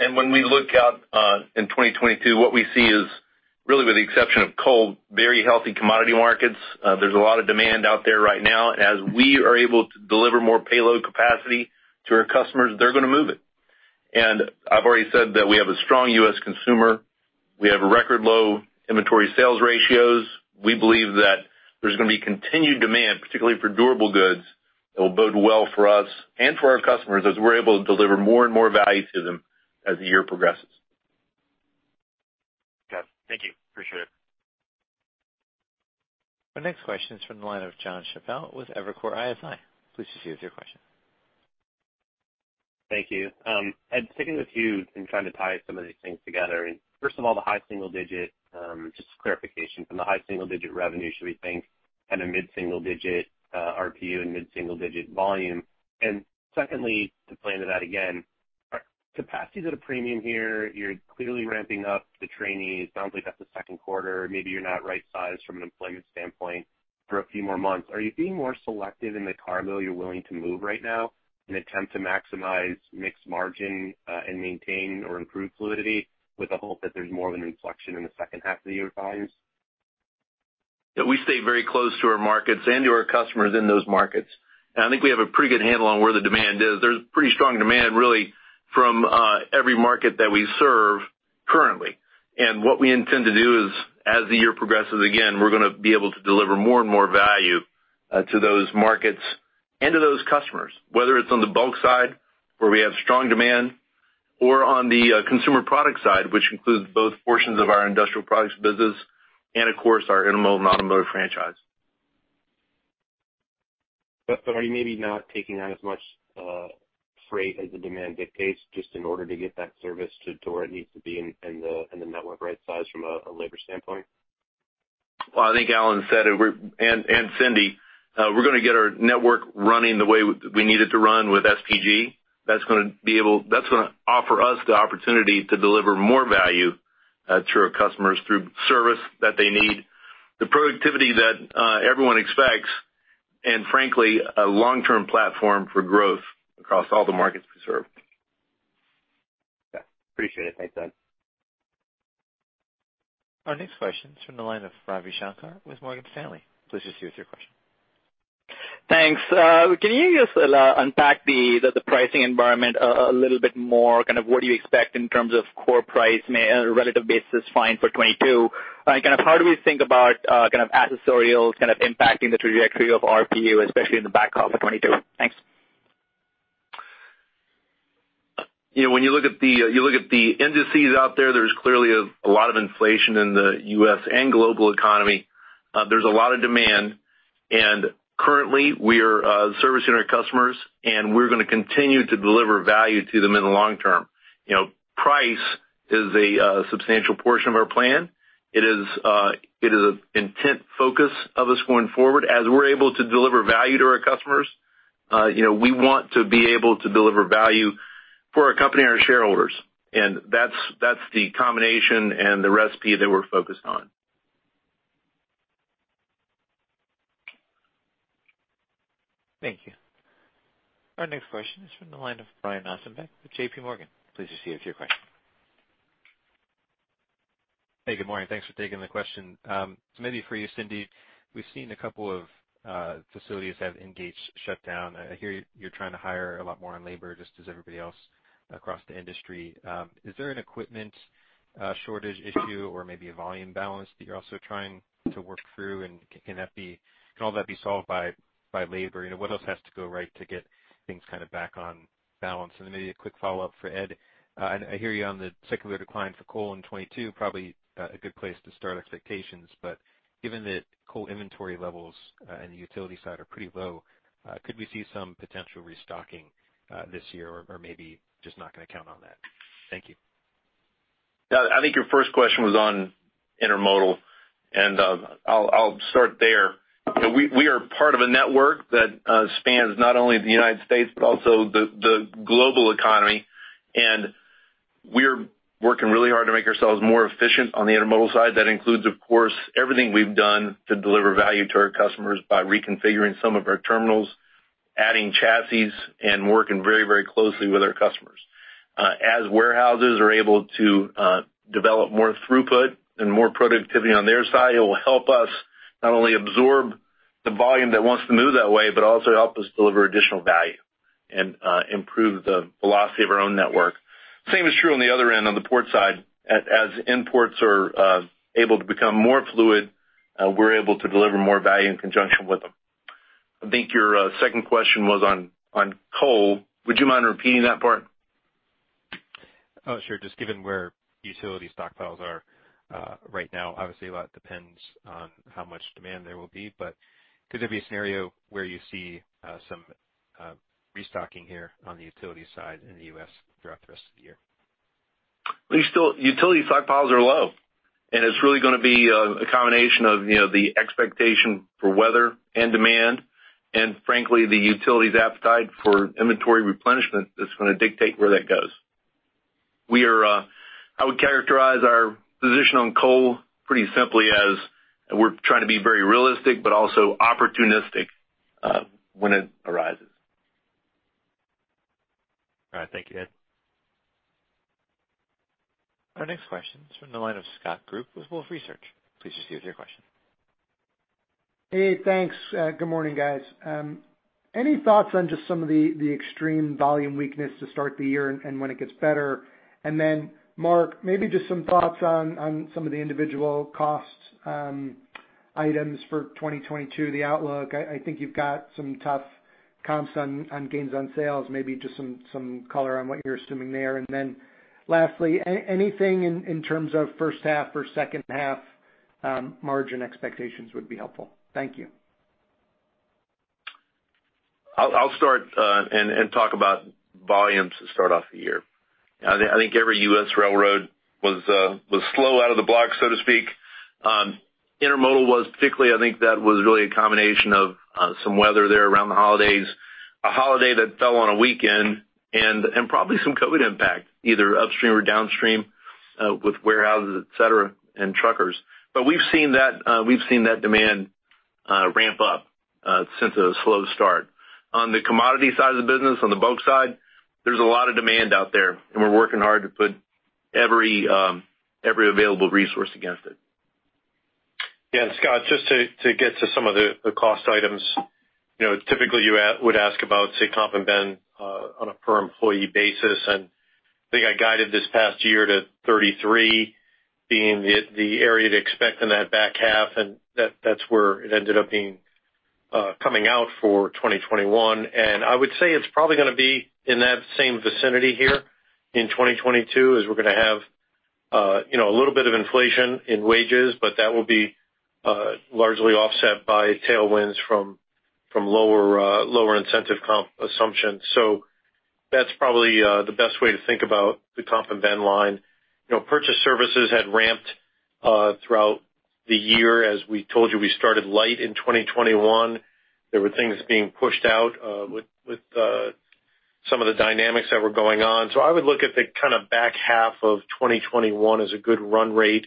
When we look out in 2022, what we see is really with the exception of coal, very healthy commodity markets. There's a lot of demand out there right now. As we are able to deliver more payload capacity to our customers, they're gonna move it. I've already said that we have a strong U.S. consumer. We have record low inventory sales ratios. We believe that there's gonna be continued demand, particularly for durable goods, that will bode well for us and for our customers as we're able to deliver more and more value to them as the year progresses. Got it. Thank you. Appreciate it. Our next question is from the line of Jonathan Chappell with Evercore ISI. Please proceed with your question. Thank you. Ed, sticking with you and trying to tie some of these things together. First of all, the high single digit just clarification. From the high single digit revenue, should we think kind of mid-single digit RPU and mid-single digit volume? Secondly, to play into that again, capacity is at a premium here. You're clearly ramping up the trainees. Sounds like that's the Q2. Maybe you're not right-sized from an employment standpoint for a few more months. Are you being more selective in the cargo you're willing to move right now in attempt to maximize mix margin and maintain or improve fluidity with the hope that there's more of an inflection in the H2 of this year? Yeah, we stay very close to our markets and to our customers in those markets. I think we have a pretty good handle on where the demand is. There's pretty strong demand really from every market that we serve currently. What we intend to do is, as the year progresses, again, we're gonna be able to deliver more and more value to those markets and to those customers, whether it's on the bulk side, where we have strong demand, or on the consumer product side, which includes both portions of our industrial products business and of course, our intermodal and automotive franchise. Are you maybe not taking on as much freight as the demand dictates just in order to get that service to where it needs to be in the network rightsize from a labor standpoint? Well, I think Alan said it, and Cindy, we're gonna get our network running the way we need it to run with SPG. That's gonna offer us the opportunity to deliver more value to our customers through service that they need, the productivity that everyone expects, and frankly, a long-term platform for growth across all the markets we serve. Yeah. Appreciate it. Thanks, Ed. Our next question is from the line of Ravi Shanker with Morgan Stanley. Please proceed with your question. Thanks. Can you just unpack the pricing environment a little bit more? Kind of what do you expect in terms of core price on a relative basis in 2022? Kind of how do we think about kind of accessorial kind of impacting the trajectory of RPU, especially in the back half of 2022? Thanks. You know, when you look at the indices out there's clearly a lot of inflation in the U.S. and global economy. There's a lot of demand, and currently, we are servicing our customers, and we're gonna continue to deliver value to them in the long term. You know, price is a substantial portion of our plan. It is an intense focus of us going forward. As we're able to deliver value to our customers, you know, we want to be able to deliver value for our company and our shareholders. That's the combination and the recipe that we're focused on. Thank you. Our next question is from the line of Brian Ossenbeck with J.P. Morgan. Please proceed with your question. Hey, good morning. Thanks for taking the question. Maybe for you, Cindy, we've seen a couple of facilities have engaged shutdown. I hear you're trying to hire a lot more on labor, just as everybody else across the industry. Is there an equipment shortage issue or maybe a volume balance that you're also trying to work through? Can all that be solved by labor? You know, what else has to go right to get things kind of back on balance? Then maybe a quick follow-up for Ed. I hear you on the secular decline for coal in 2022, probably a good place to start expectations. Given that coal inventory levels in the utility side are pretty low, could we see some potential restocking this year? Maybe just not gonna count on that? Thank you. Yeah. I think your first question was on intermodal, and I'll start there. We are part of a network that spans not only the United States, but also the global economy. We're working really hard to make ourselves more efficient on the intermodal side. That includes, of course, everything we've done to deliver value to our customers by reconfiguring some of our terminals, adding chassis and working very, very closely with our customers. As warehouses are able to develop more throughput and more productivity on their side, it will help us not only absorb the volume that wants to move that way, but also help us deliver additional value and improve the velocity of our own network. Same is true on the other end on the port side. As imports are able to become more fluid, we're able to deliver more value in conjunction with them. I think your second question was on coal. Would you mind repeating that part? Oh, sure. Just given where utility stockpiles are right now, obviously a lot depends on how much demand there will be. Could there be a scenario where you see some restocking here on the utility side in the U.S. throughout the rest of the year? Utility stockpiles are low, and it's really gonna be a combination of, you know, the expectation for weather and demand, and frankly, the utility's appetite for inventory replenishment that's gonna dictate where that goes. I would characterize our position on coal pretty simply as we're trying to be very realistic, but also opportunistic when it arises. All right. Thank you, Ed. Our next question is from the line of Scott Group with Wolfe Research. Please proceed with your question. Hey, thanks. Good morning, guys. Any thoughts on just some of the extreme volume weakness to start the year and when it gets better? Mark, maybe just some thoughts on some of the individual costs, items for 2022, the outlook. I think you've got some tough comps on gains on sales, maybe just some color on what you're assuming there. Lastly, anything in terms of H1 or H2, margin expectations would be helpful. Thank you. I'll start and talk about volumes to start off the year. I think every U.S. railroad was slow out of the block, so to speak. Intermodal was particularly. I think that was really a combination of some weather there around the holidays, a holiday that fell on a weekend and probably some COVID impact, either upstream or downstream, with warehouses, et cetera, and truckers. We've seen that demand ramp up since a slow start. On the commodity side of the business, on the bulk side, there's a lot of demand out there, and we're working hard to put every available resource against it. Scott, just to get to some of the cost items. You know, typically you would ask about, say, comp and ben on a per employee basis. I think I guided this past year to 33 being the area to expect in that back half, and that's where it ended up being coming out for 2021. I would say it's probably gonna be in that same vicinity here in 2022, as we're gonna have you know, a little bit of inflation in wages, but that will be largely offset by tailwinds from lower incentive comp assumptions. That's probably the best way to think about the comp and ben line. You know, purchased services had ramped throughout the year. As we told you, we started light in 2021. There were things being pushed out with some of the dynamics that were going on. I would look at the kind of back half of 2021 as a good run rate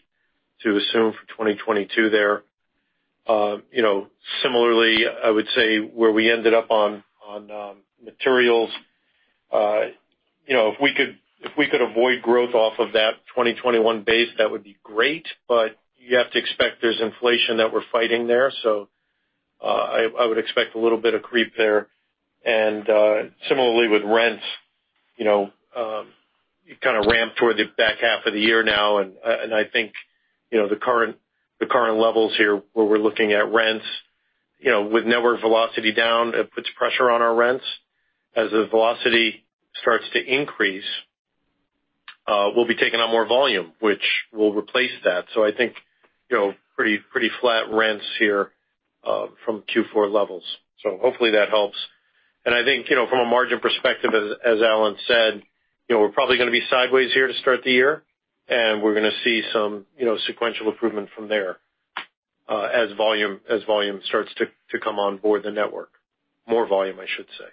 to assume for 2022 there. You know, similarly, I would say where we ended up on materials, you know, if we could avoid growth off of that 2021 base, that would be great, but you have to expect there's inflation that we're fighting there. I would expect a little bit of creep there. Similarly with rents, you know, it kind of ramped toward the back half of the year now. I think, you know, the current levels here where we're looking at rents, you know, with network velocity down, it puts pressure on our rents. As the velocity starts to increase, we'll be taking on more volume, which will replace that. I think, you know, pretty flat rents here, from Q4 levels. Hopefully that helps. I think, you know, from a margin perspective, as Alan said, you know, we're probably gonna be sideways here to start the year, and we're gonna see some, you know, sequential improvement from there, as volume starts to come on board the network. More volume, I should say.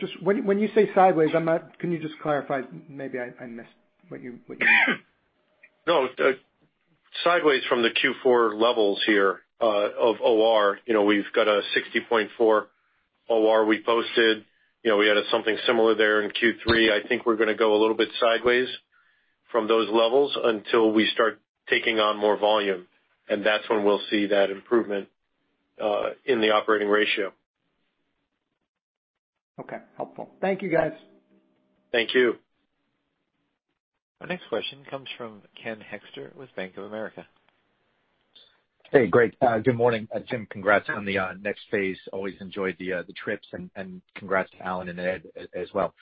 Just when you say sideways, can you just clarify? Maybe I missed what you meant. No, sideways from the Q4 levels here of OR. You know, we've got a 60.4% OR we posted. You know, we had something similar there in Q3. I think we're gonna go a little bit sideways from those levels until we start taking on more volume, and that's when we'll see that improvement in the operating ratio. Okay. Helpful. Thank you, guys. Thank you. Our next question comes from Ken Hoexter with Bank of America. Hey, great. Good morning, Jim, congrats on the next phase. Always enjoyed the trips and congrats to Alan and Ed as well.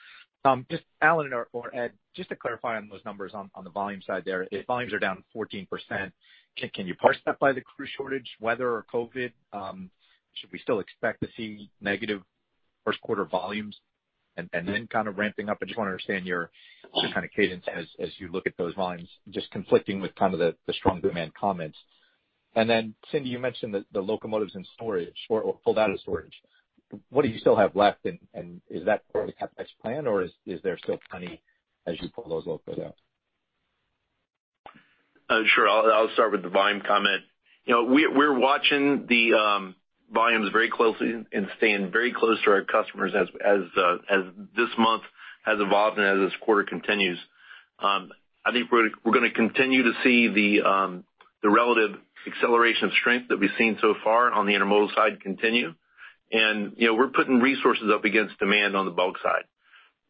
Just Alan or Ed, just to clarify on those numbers on the volume side there. If volumes are down 14%, can you parse that by the crew shortage, weather or COVID? Should we still expect to see negative Q1 volumes and then kind of ramping up? I just wanna understand the kind of cadence as you look at those volumes, just conflicting with kind of the strong demand comments. Then, Cindy, you mentioned the locomotives in storage or pulled out of storage. What do you still have left and is that part of the CapEx plan or is there still plenty as you pull those locos out? Sure. I'll start with the volume comment. You know, we're watching the volumes very closely and staying very close to our customers as this month has evolved and as this quarter continues. I think we're gonna continue to see the relative acceleration of strength that we've seen so far on the intermodal side continue. You know, we're putting resources up against demand on the bulk side.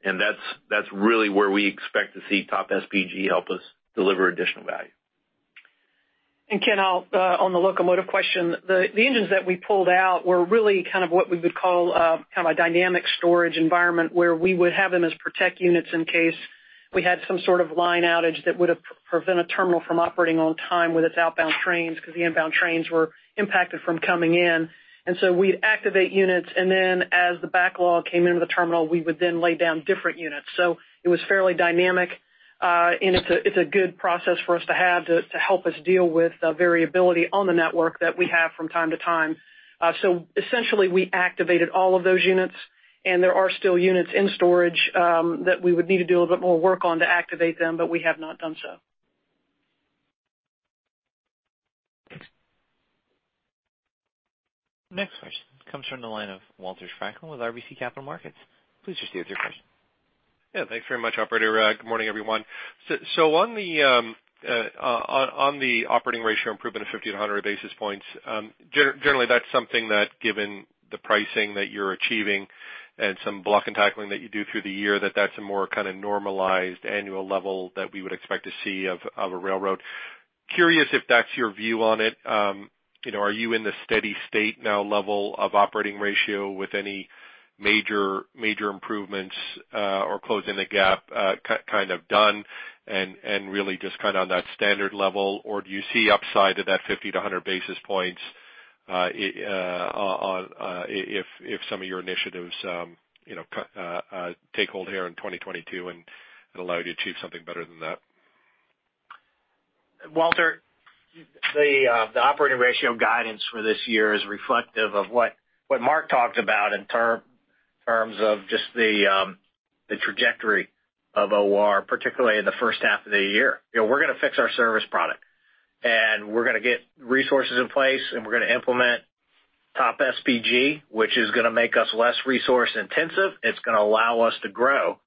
That's really where we expect to see TOP SPG help us deliver additional value. Ken, I'll on the locomotive question, the engines that we pulled out were really kind of what we would call kind of a dynamic storage environment, where we would have them as protect units in case we had some sort of line outage that would have prevented terminal from operating on time with its outbound trains because the inbound trains were impacted from coming in. We'd activate units, and then as the backlog came into the terminal, we would then lay down different units. It was fairly dynamic, and it's a good process for us to have to help us deal with the variability on the network that we have from time to time. Essentially, we activated all of those units, and there are still units in storage that we would need to do a little bit more work on to activate them, but we have not done so. Next question comes from the line of Walter Spracklin with RBC Capital Markets. Please proceed with your question. Yeah. Thanks very much, operator. Good morning, everyone. On the operating ratio improvement of 50 to 100 basis points, generally, that's something that given the pricing that you're achieving and some block and tackling that you do through the year, that's a more kind of normalized annual level that we would expect to see of a railroad. Curious if that's your view on it. You know, are you in the steady state now level of operating ratio with any major improvements, or closing the gap kind of done and really just kind of on that standard level? Do you see upside to that 50-100 basis points, if some of your initiatives, you know, take hold here in 2022 and allow you to achieve something better than that? Walter, the operating ratio guidance for this year is reflective of what Mark talked about in terms of just the trajectory of OR, particularly in the H1 of the year. You know, we're gonna fix our service product, and we're gonna get resources in place, and we're gonna implement TOP SPG, which is gonna make us less resource intensive. It's gonna allow us to grow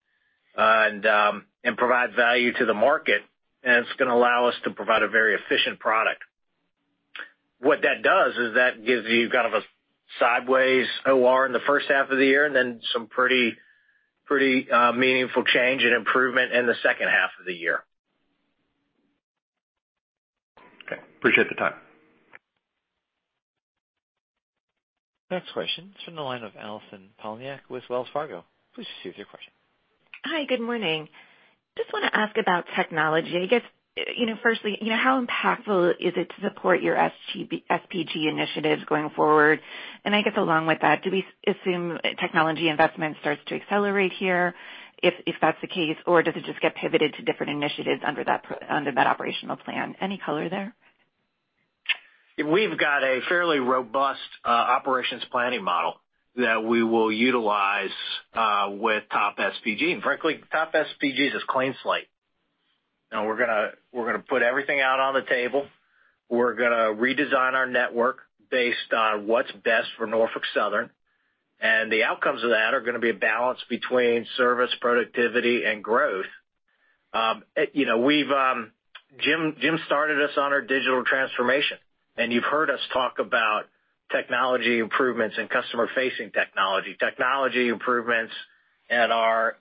and provide value to the market, and it's gonna allow us to provide a very efficient product. What that does is that gives you kind of a sideways OR in the H1 of the year and then some pretty meaningful change and improvement in the H2 of the year. Okay. I appreciate the time. Next question is from the line of Allison Poliniak with Wells Fargo. Please proceed with your question. Hi, good morning. Just wanna ask about technology. I guess, you know, firstly, you know, how impactful is it to support your SPG initiatives going forward? I guess along with that, do we assume technology investment starts to accelerate here if that's the case? Or does it just get pivoted to different initiatives under that operational plan? Any color there? We've got a fairly robust operations planning model that we will utilize with TOP SPG. Frankly, TOP SPG is a clean slate. Now we're gonna put everything out on the table. We're gonna redesign our network based on what's best for Norfolk Southern, and the outcomes of that are gonna be a balance between service, productivity, and growth. You know, Jim started us on our digital transformation, and you've heard us talk about technology improvements and customer-facing technology and our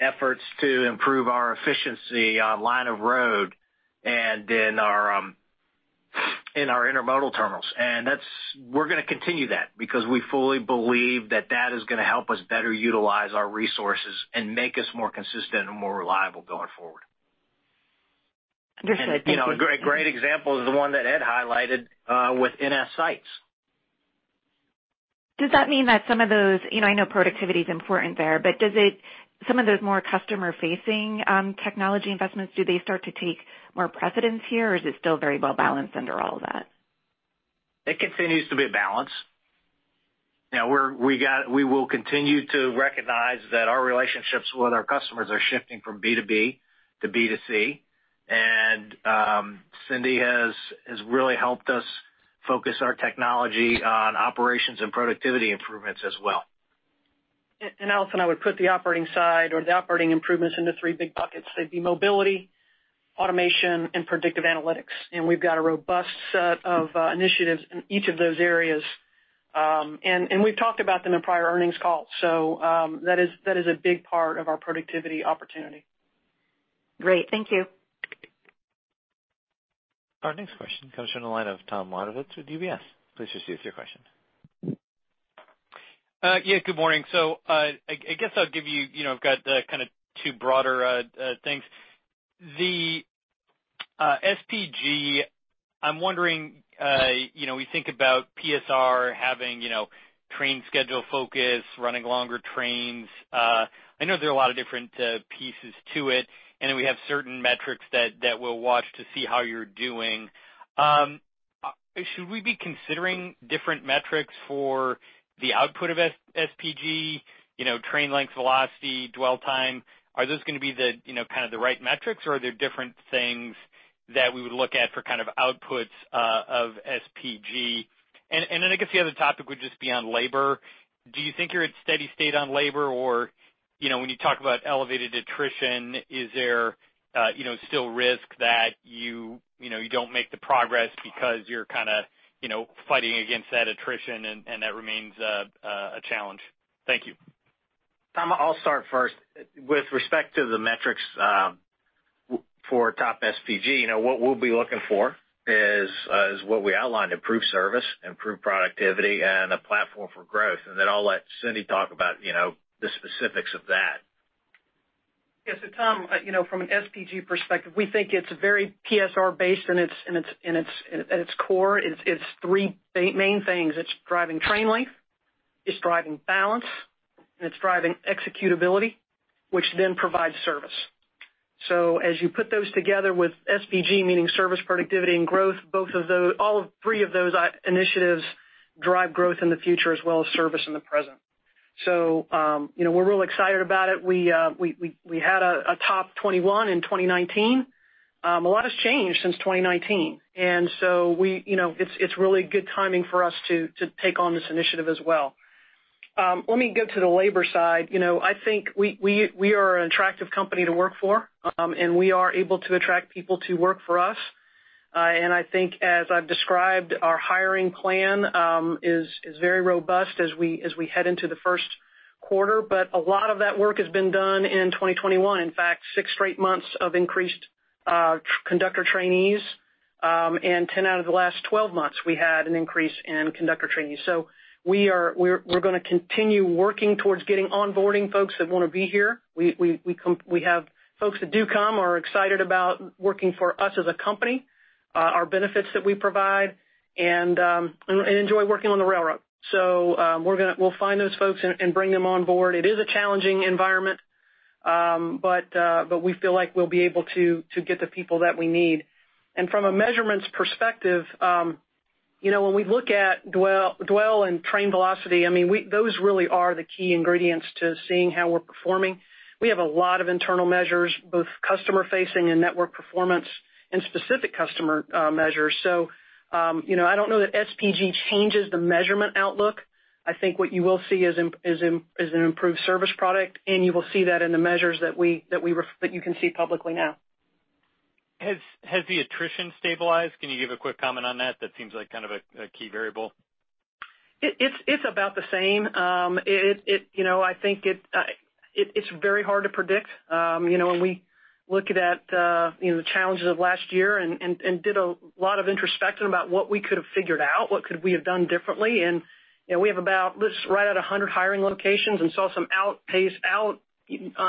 efforts to improve our efficiency on line of road and in our intermodal terminals. We're gonna continue that because we fully believe that that is gonna help us better utilize our resources and make us more consistent and more reliable going forward. Understood. Thank you. You know, a great example is the one that Ed highlighted with NSites. Does that mean that some of those? You know, I know productivity is important there, but some of those more customer-facing technology investments, do they start to take more precedence here, or is it still very well-balanced under all of that? It continues to be a balance. We will continue to recognize that our relationships with our customers are shifting from B2B to B2C. Cindy has really helped us focus our technology on operations and productivity improvements as well. Allison, I would put the operating side or the operating improvements into three big buckets. They'd be mobility, automation, and predictive analytics. We've got a robust set of initiatives in each of those areas. We've talked about them in prior earnings calls. That is a big part of our productivity opportunity. Great. Thank you. Our next question comes from the line of Tom Wadewitz with UBS. Please proceed with your question. Yeah, good morning. I guess I'll give you know, I've got kind of two broader things. The SPG, I'm wondering, you know, we think about PSR having, you know, train schedule focus, running longer trains. I know there are a lot of different pieces to it, and then we have certain metrics that we'll watch to see how you're doing. Should we be considering different metrics for the output of SPG, you know, train length, velocity, dwell time? Are those gonna be the, you know, kind of the right metrics, or are there different things that we would look at for kind of outputs of SPG? I guess the other topic would just be on labor. Do you think you're at steady state on labor? You know, when you talk about elevated attrition, is there, you know, still risk that you know you don't make the progress because you're kind of, you know, fighting against that attrition and that remains a challenge? Thank you. Tom, I'll start first. With respect to the metrics for TOP SPG, you know, what we'll be looking for is what we outlined, improved service, improved productivity, and a platform for growth. Then I'll let Cindy talk about, you know, the specifics of that. Tom, you know, from an SPG perspective, we think it's very PSR based at its core. It's three main things. It's driving train length, it's driving balance, and it's driving executability, which then provides service. As you put those together with SPG, meaning service, productivity, and growth, all three of those initiatives drive growth in the future as well as service in the present. You know, we're real excited about it. We had a TOP 21 in 2019. A lot has changed since 2019. We, you know, it's really good timing for us to take on this initiative as well. Let me go to the labor side. You know, I think we are an attractive company to work for, and we are able to attract people to work for us. I think as I've described, our hiring plan is very robust as we head into the Q1. A lot of that work has been done in 2021. In fact, 6 straight months of increased conductor trainees, and 10 out of the last 12 months, we had an increase in conductor trainees. We are gonna continue working towards getting onboarding folks that wanna be here. We have folks that do come are excited about working for us as a company, our benefits that we provide, and enjoy working on the railroad. We'll find those folks and bring them on board. It is a challenging environment, but we feel like we'll be able to get the people that we need. From a measurements perspective, you know, when we look at dwell and train velocity, I mean, those really are the key ingredients to seeing how we're performing. We have a lot of internal measures, both customer facing and network performance and specific customer measures. You know, I don't know that SPG changes the measurement outlook. I think what you will see is an improved service product, and you will see that in the measures that you can see publicly now. Has the attrition stabilized? Can you give a quick comment on that? That seems like kind of a key variable. It's about the same. You know, I think it's very hard to predict. You know, when we looked at you know, the challenges of last year and did a lot of introspection about what we could have figured out, what could we have done differently. You know, we have about 100 hiring locations and saw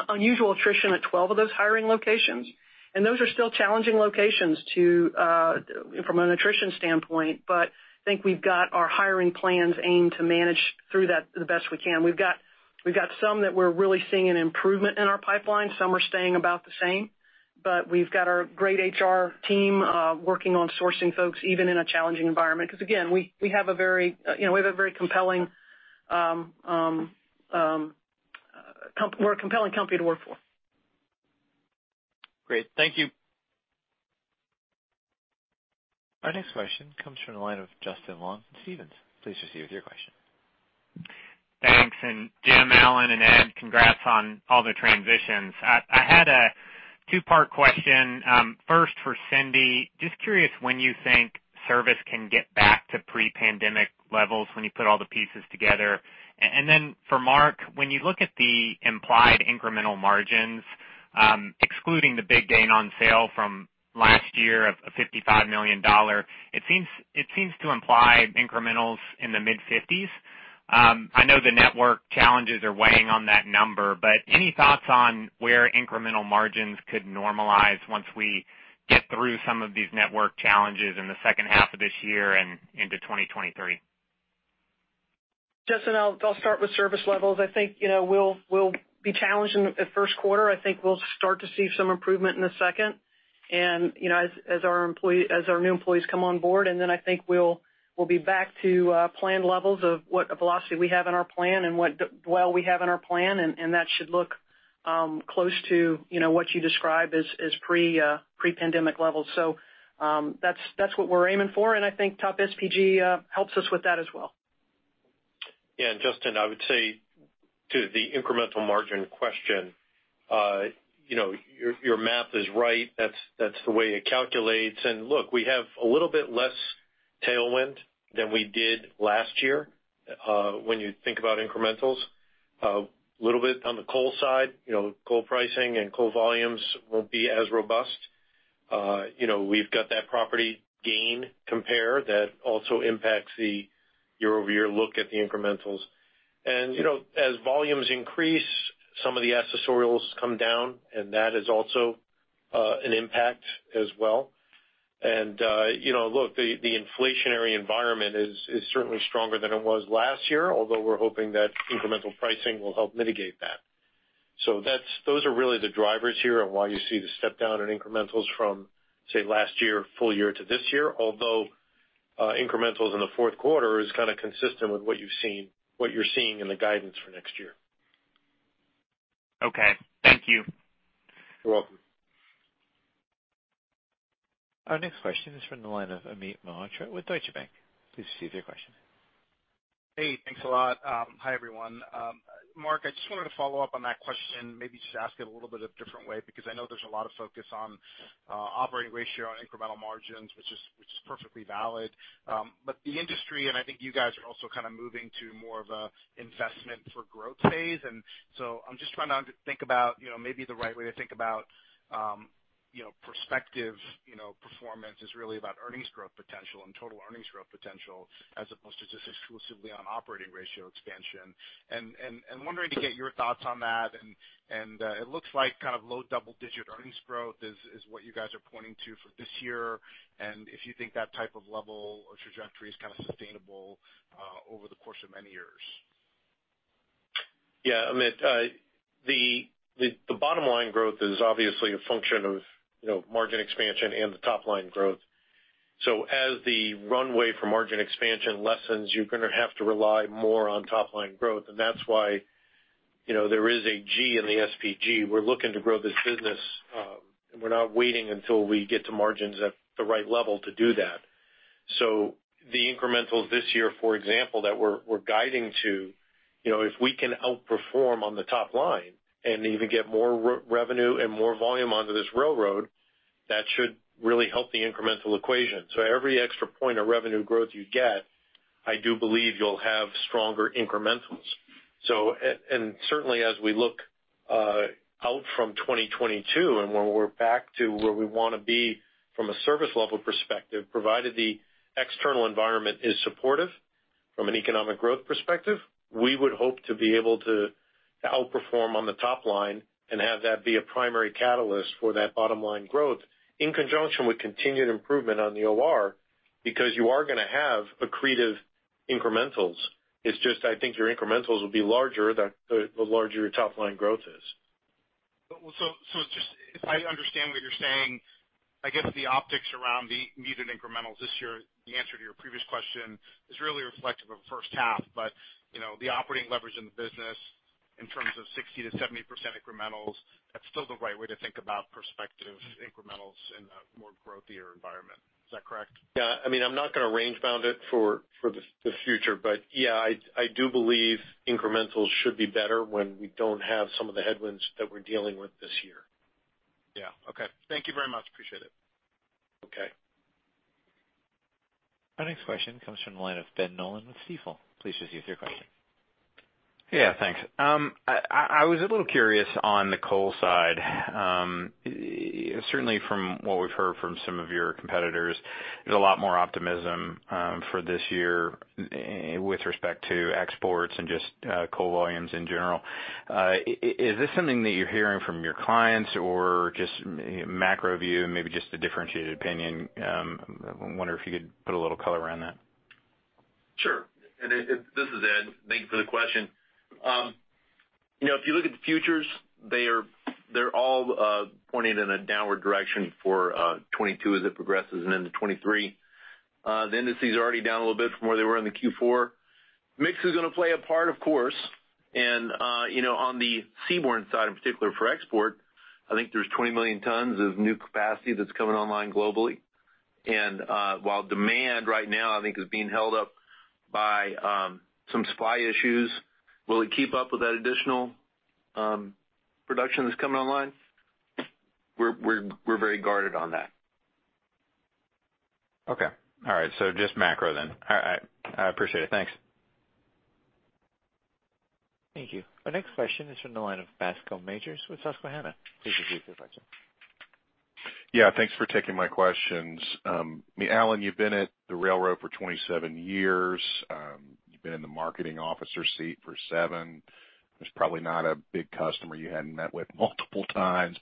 unusual attrition at 12 of those hiring locations. Those are still challenging locations from an attrition standpoint, but I think we've got our hiring plans aimed to manage through that the best we can. We've got some that we're really seeing an improvement in our pipeline. Some are staying about the same, but we've got our great HR team working on sourcing folks even in a challenging environment. Cause again, we have a very, you know, we're a compelling company to work for. Great. Thank you. Our next question comes from the line of Justin Long from Stephens. Please proceed with your question. Thanks. Jim, Alan, and Ed, congrats on all the transitions. I had a two-part question, first for Cindy. Just curious when you think service can get back to pre-pandemic levels when you put all the pieces together. Then for Mark, when you look at the implied incremental margins, excluding the big gain on sale from last year of a $55 million, it seems to imply incrementals in the mid-50s%. I know the network challenges are weighing on that number, but any thoughts on where incremental margins could normalize once we get through some of these network challenges in the H2 of this year and into 2023? Justin, I'll start with service levels. I think, you know, we'll be challenged in the Q1. I think we'll start to see some improvement in the second. You know, as our new employees come on board, and then I think we'll be back to plan levels of what velocity we have in our plan and what dwell we have in our plan, and that should look close to, you know, what you describe as pre-pandemic levels. That's what we're aiming for, and I think TOP SPG helps us with that as well. Yeah, Justin, I would say to the incremental margin question, you know, your math is right. That's the way it calculates. Look, we have a little bit less tailwind than we did last year when you think about incrementals. Little bit on the coal side, you know, coal pricing and coal volumes won't be as robust. You know, we've got that property gain comp that also impacts the year-over-year look at the incrementals. You know, as volumes increase, some of the accessorials come down, and that is also an impact as well. You know, look, the inflationary environment is certainly stronger than it was last year, although we're hoping that incremental pricing will help mitigate that. Those are really the drivers here and why you see the step down in incrementals from, say, last year, full year to this year, although incrementals in the Q4 is kind of consistent with what you're seeing in the guidance for next year. Okay. Thank you. You're welcome. Our next question is from the line of Amit Mehrotra with Deutsche Bank. Please proceed with your question. Hey, thanks a lot. Hi, everyone. Mark, I just wanted to follow up on that question, maybe just ask it a little bit of different way because I know there's a lot of focus on operating ratio on incremental margins, which is perfectly valid. But the industry and I think you guys are also kind of moving to more of a investment for growth phase. And so I'm just trying to think about, you know, maybe the right way to think about, you know, prospective, you know, performance is really about earnings growth potential and total earnings growth potential as opposed to just exclusively on operating ratio expansion. And wondering to get your thoughts on that. It looks like kind of low double-digit earnings growth is what you guys are pointing to for this year, and if you think that type of level or trajectory is kind of sustainable over the course of many years. Yeah. Amit, the bottom line growth is obviously a function of, you know, margin expansion and the top line growth. As the runway for margin expansion lessens, you're gonna have to rely more on top line growth, and that's why, you know, there is a G in the SPG. We're looking to grow this business, and we're not waiting until we get to margins at the right level to do that. The incrementals this year, for example, that we're guiding to, you know, if we can outperform on the top line and even get more revenue and more volume onto this railroad, that should really help the incremental equation. Every extra point of revenue growth you get, I do believe you'll have stronger incrementals. Certainly as we look out from 2022 and when we're back to where we wanna be from a service level perspective, provided the external environment is supportive from an economic growth perspective, we would hope to be able to outperform on the top line and have that be a primary catalyst for that bottom line growth in conjunction with continued improvement on the OR because you are gonna have accretive incrementals. It's just I think your incrementals will be larger the larger your top line growth is. Well, just if I understand what you're saying, I guess the optics around the needed incrementals this year, the answer to your previous question is really reflective of H1. You know, the operating leverage in the business in terms of 60% to 70% incrementals, that's still the right way to think about prospective incrementals in a more growthier environment. Is that correct? Yeah. I mean, I'm not gonna range bound it for the future. Yeah, I do believe incrementals should be better when we don't have some of the headwinds that we're dealing with this year. Yeah. Okay. Thank you very much. Appreciate it. Okay. Our next question comes from the line of Ben Nolan with Stifel. Please proceed with your question. Yeah, thanks. I was a little curious on the coal side. Certainly from what we've heard from some of your competitors, there's a lot more optimism for this year with respect to exports and just coal volumes in general. Is this something that you're hearing from your clients or just macro view and maybe just a differentiated opinion? I wonder if you could put a little color around that. Sure. This is Ed. Thank you for the question. You know, if you look at the futures, they're all pointing in a downward direction for 2022 as it progresses and into 2023. The indices are already down a little bit from where they were in the Q4. Mix is gonna play a part, of course. You know, on the seaborne side, in particular for export, I think there's 20 million tons of new capacity that's coming online globally. While demand right now, I think is being held up by some supply issues, will it keep up with that additional production that's coming online? We're very guarded on that. Okay. All right. Just macro then. All right. I appreciate it. Thanks. Thank you. Our next question is from the line of Bascome Majors with Susquehanna. Please proceed with your question. Yeah, thanks for taking my questions. I mean, Alan, you've been at the railroad for 27 years. You've been in the marketing officer seat for 7. There's probably not a big customer you hadn't met with multiple times.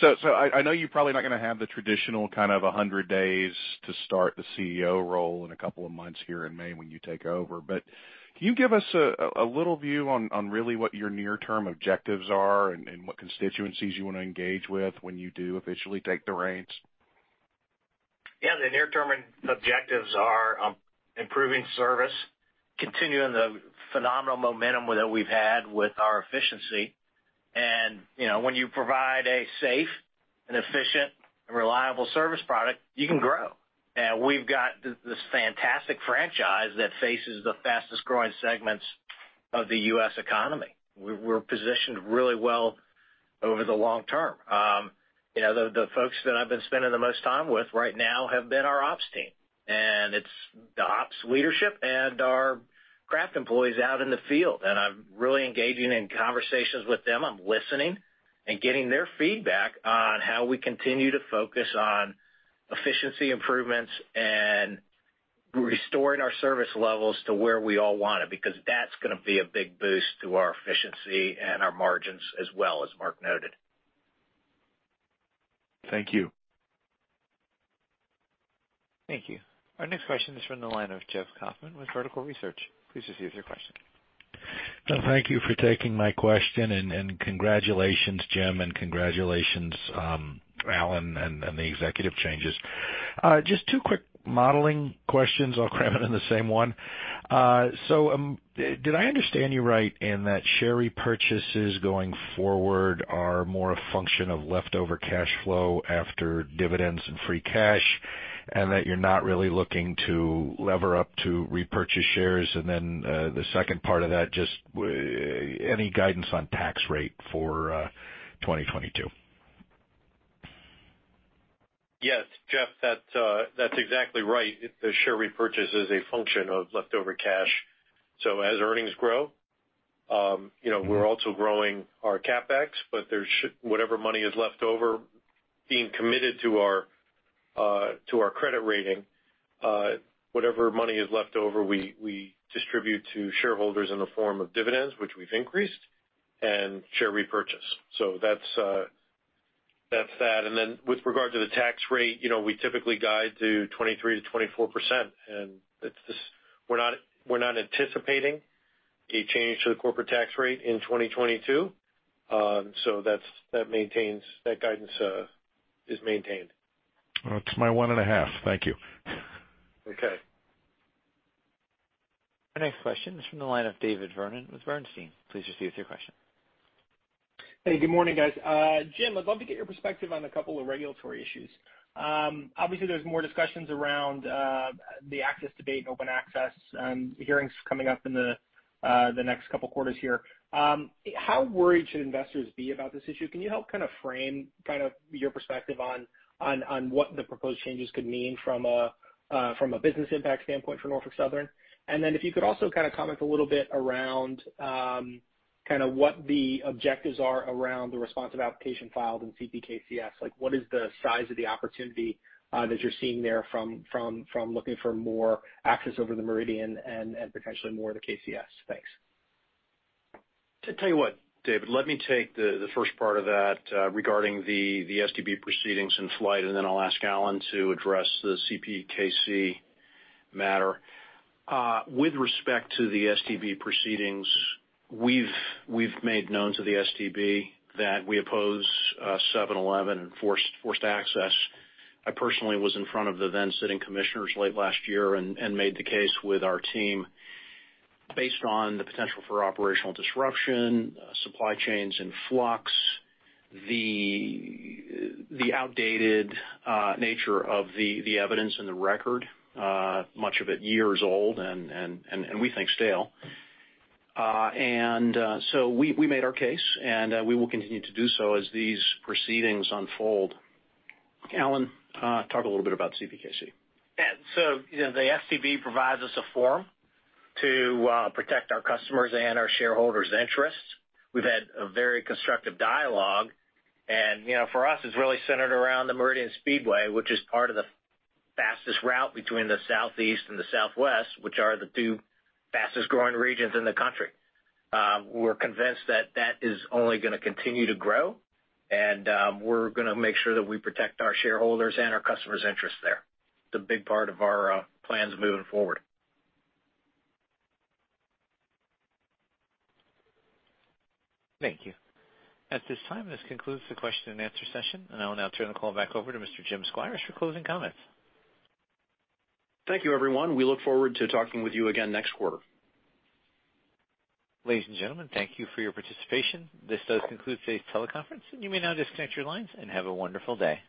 So I know you're probably not gonna have the traditional kind of 100 days to start the CEO role in a couple of months here in May when you take over. Can you give us a little view on really what your near-term objectives are and what constituencies you wanna engage with when you do officially take the reins? Yeah. The near-term objectives are, improving service, continuing the phenomenal momentum that we've had with our efficiency. You know, when you provide a safe and efficient and reliable service product, you can grow. We've got this fantastic franchise that faces the fastest growing segments of the U.S. economy. We're positioned really well over the long term. You know, the folks that I've been spending the most time with right now have been our ops team, and it's the ops leadership and our craft employees out in the field. I'm really engaging in conversations with them. I'm listening and getting their feedback on how we continue to focus on efficiency improvements and restoring our service levels to where we all want it, because that's gonna be a big boost to our efficiency and our margins as well, as Mark noted. Thank you. Thank you. Our next question is from the line of Jeff Kauffman with Vertical Research. Please proceed with your question. Thank you for taking my question and congratulations, Jim, and congratulations, Alan, and the executive changes. Just two quick modeling questions. I'll cram it in the same one. Did I understand you right in that share repurchases going forward are more a function of leftover cash flow after dividends and free cash, and that you're not really looking to lever up to repurchase shares? The second part of that, just any guidance on tax rate for 2022? Yes, Jeff, that's exactly right. The share repurchase is a function of leftover cash. As earnings grow, you know, we're also growing our CapEx, but whatever money is left over being committed to our credit rating, whatever money is left over, we distribute to shareholders in the form of dividends, which we've increased, and share repurchase. That's that. Then with regard to the tax rate, you know, we typically guide to 23% to 24%, and it's just we're not anticipating a change to the corporate tax rate in 2022. That guidance is maintained. That's my 1.5. Thank you. Okay. Our next question is from the line of David Vernon with Bernstein. Please proceed with your question. Hey, good morning, guys. Jim, I'd love to get your perspective on a couple of regulatory issues. Obviously there's more discussions around the access debate and open access, hearings coming up in the next couple quarters here. How worried should investors be about this issue? Can you help kind of frame your perspective on what the proposed changes could mean from a business impact standpoint for Norfolk Southern? And then if you could also kind of comment a little bit around what the objectives are around the responsive application filed in CPKC. Like, what is the size of the opportunity that you're seeing there from looking for more access over the Meridian and potentially more of the KCS? Thanks. Let me tell you what, David, let me take the first part of that, regarding the STB proceedings in flight, and then I'll ask Alan to address the CPKC matter. With respect to the STB proceedings, we've made known to the STB that we oppose reciprocal switching and forced access. I personally was in front of the then sitting commissioners late last year and made the case with our team based on the potential for operational disruption, supply chains in flux, the outdated nature of the evidence and the record, much of it years old and we think stale. We made our case, and we will continue to do so as these proceedings unfold. Alan, talk a little bit about CPKC. Yeah. You know, the STB provides us a forum to protect our customers' and our shareholders' interests. We've had a very constructive dialogue and, you know, for us, it's really centered around the Meridian Speedway, which is part of the fastest route between the southeast and the southwest, which are the two fastest growing regions in the country. We're convinced that that is only gonna continue to grow, and we're gonna make sure that we protect our shareholders' and our customers' interests there. It's a big part of our plans moving forward. Thank you. At this time, this concludes the Q&A session, and I will now turn the call back over to Mr. James Squires for closing comments. Thank you, everyone. We look forward to talking with you again next quarter. Ladies and gentlemen, thank you for your participation. This does conclude today's teleconference, and you may now disconnect your lines and have a wonderful day.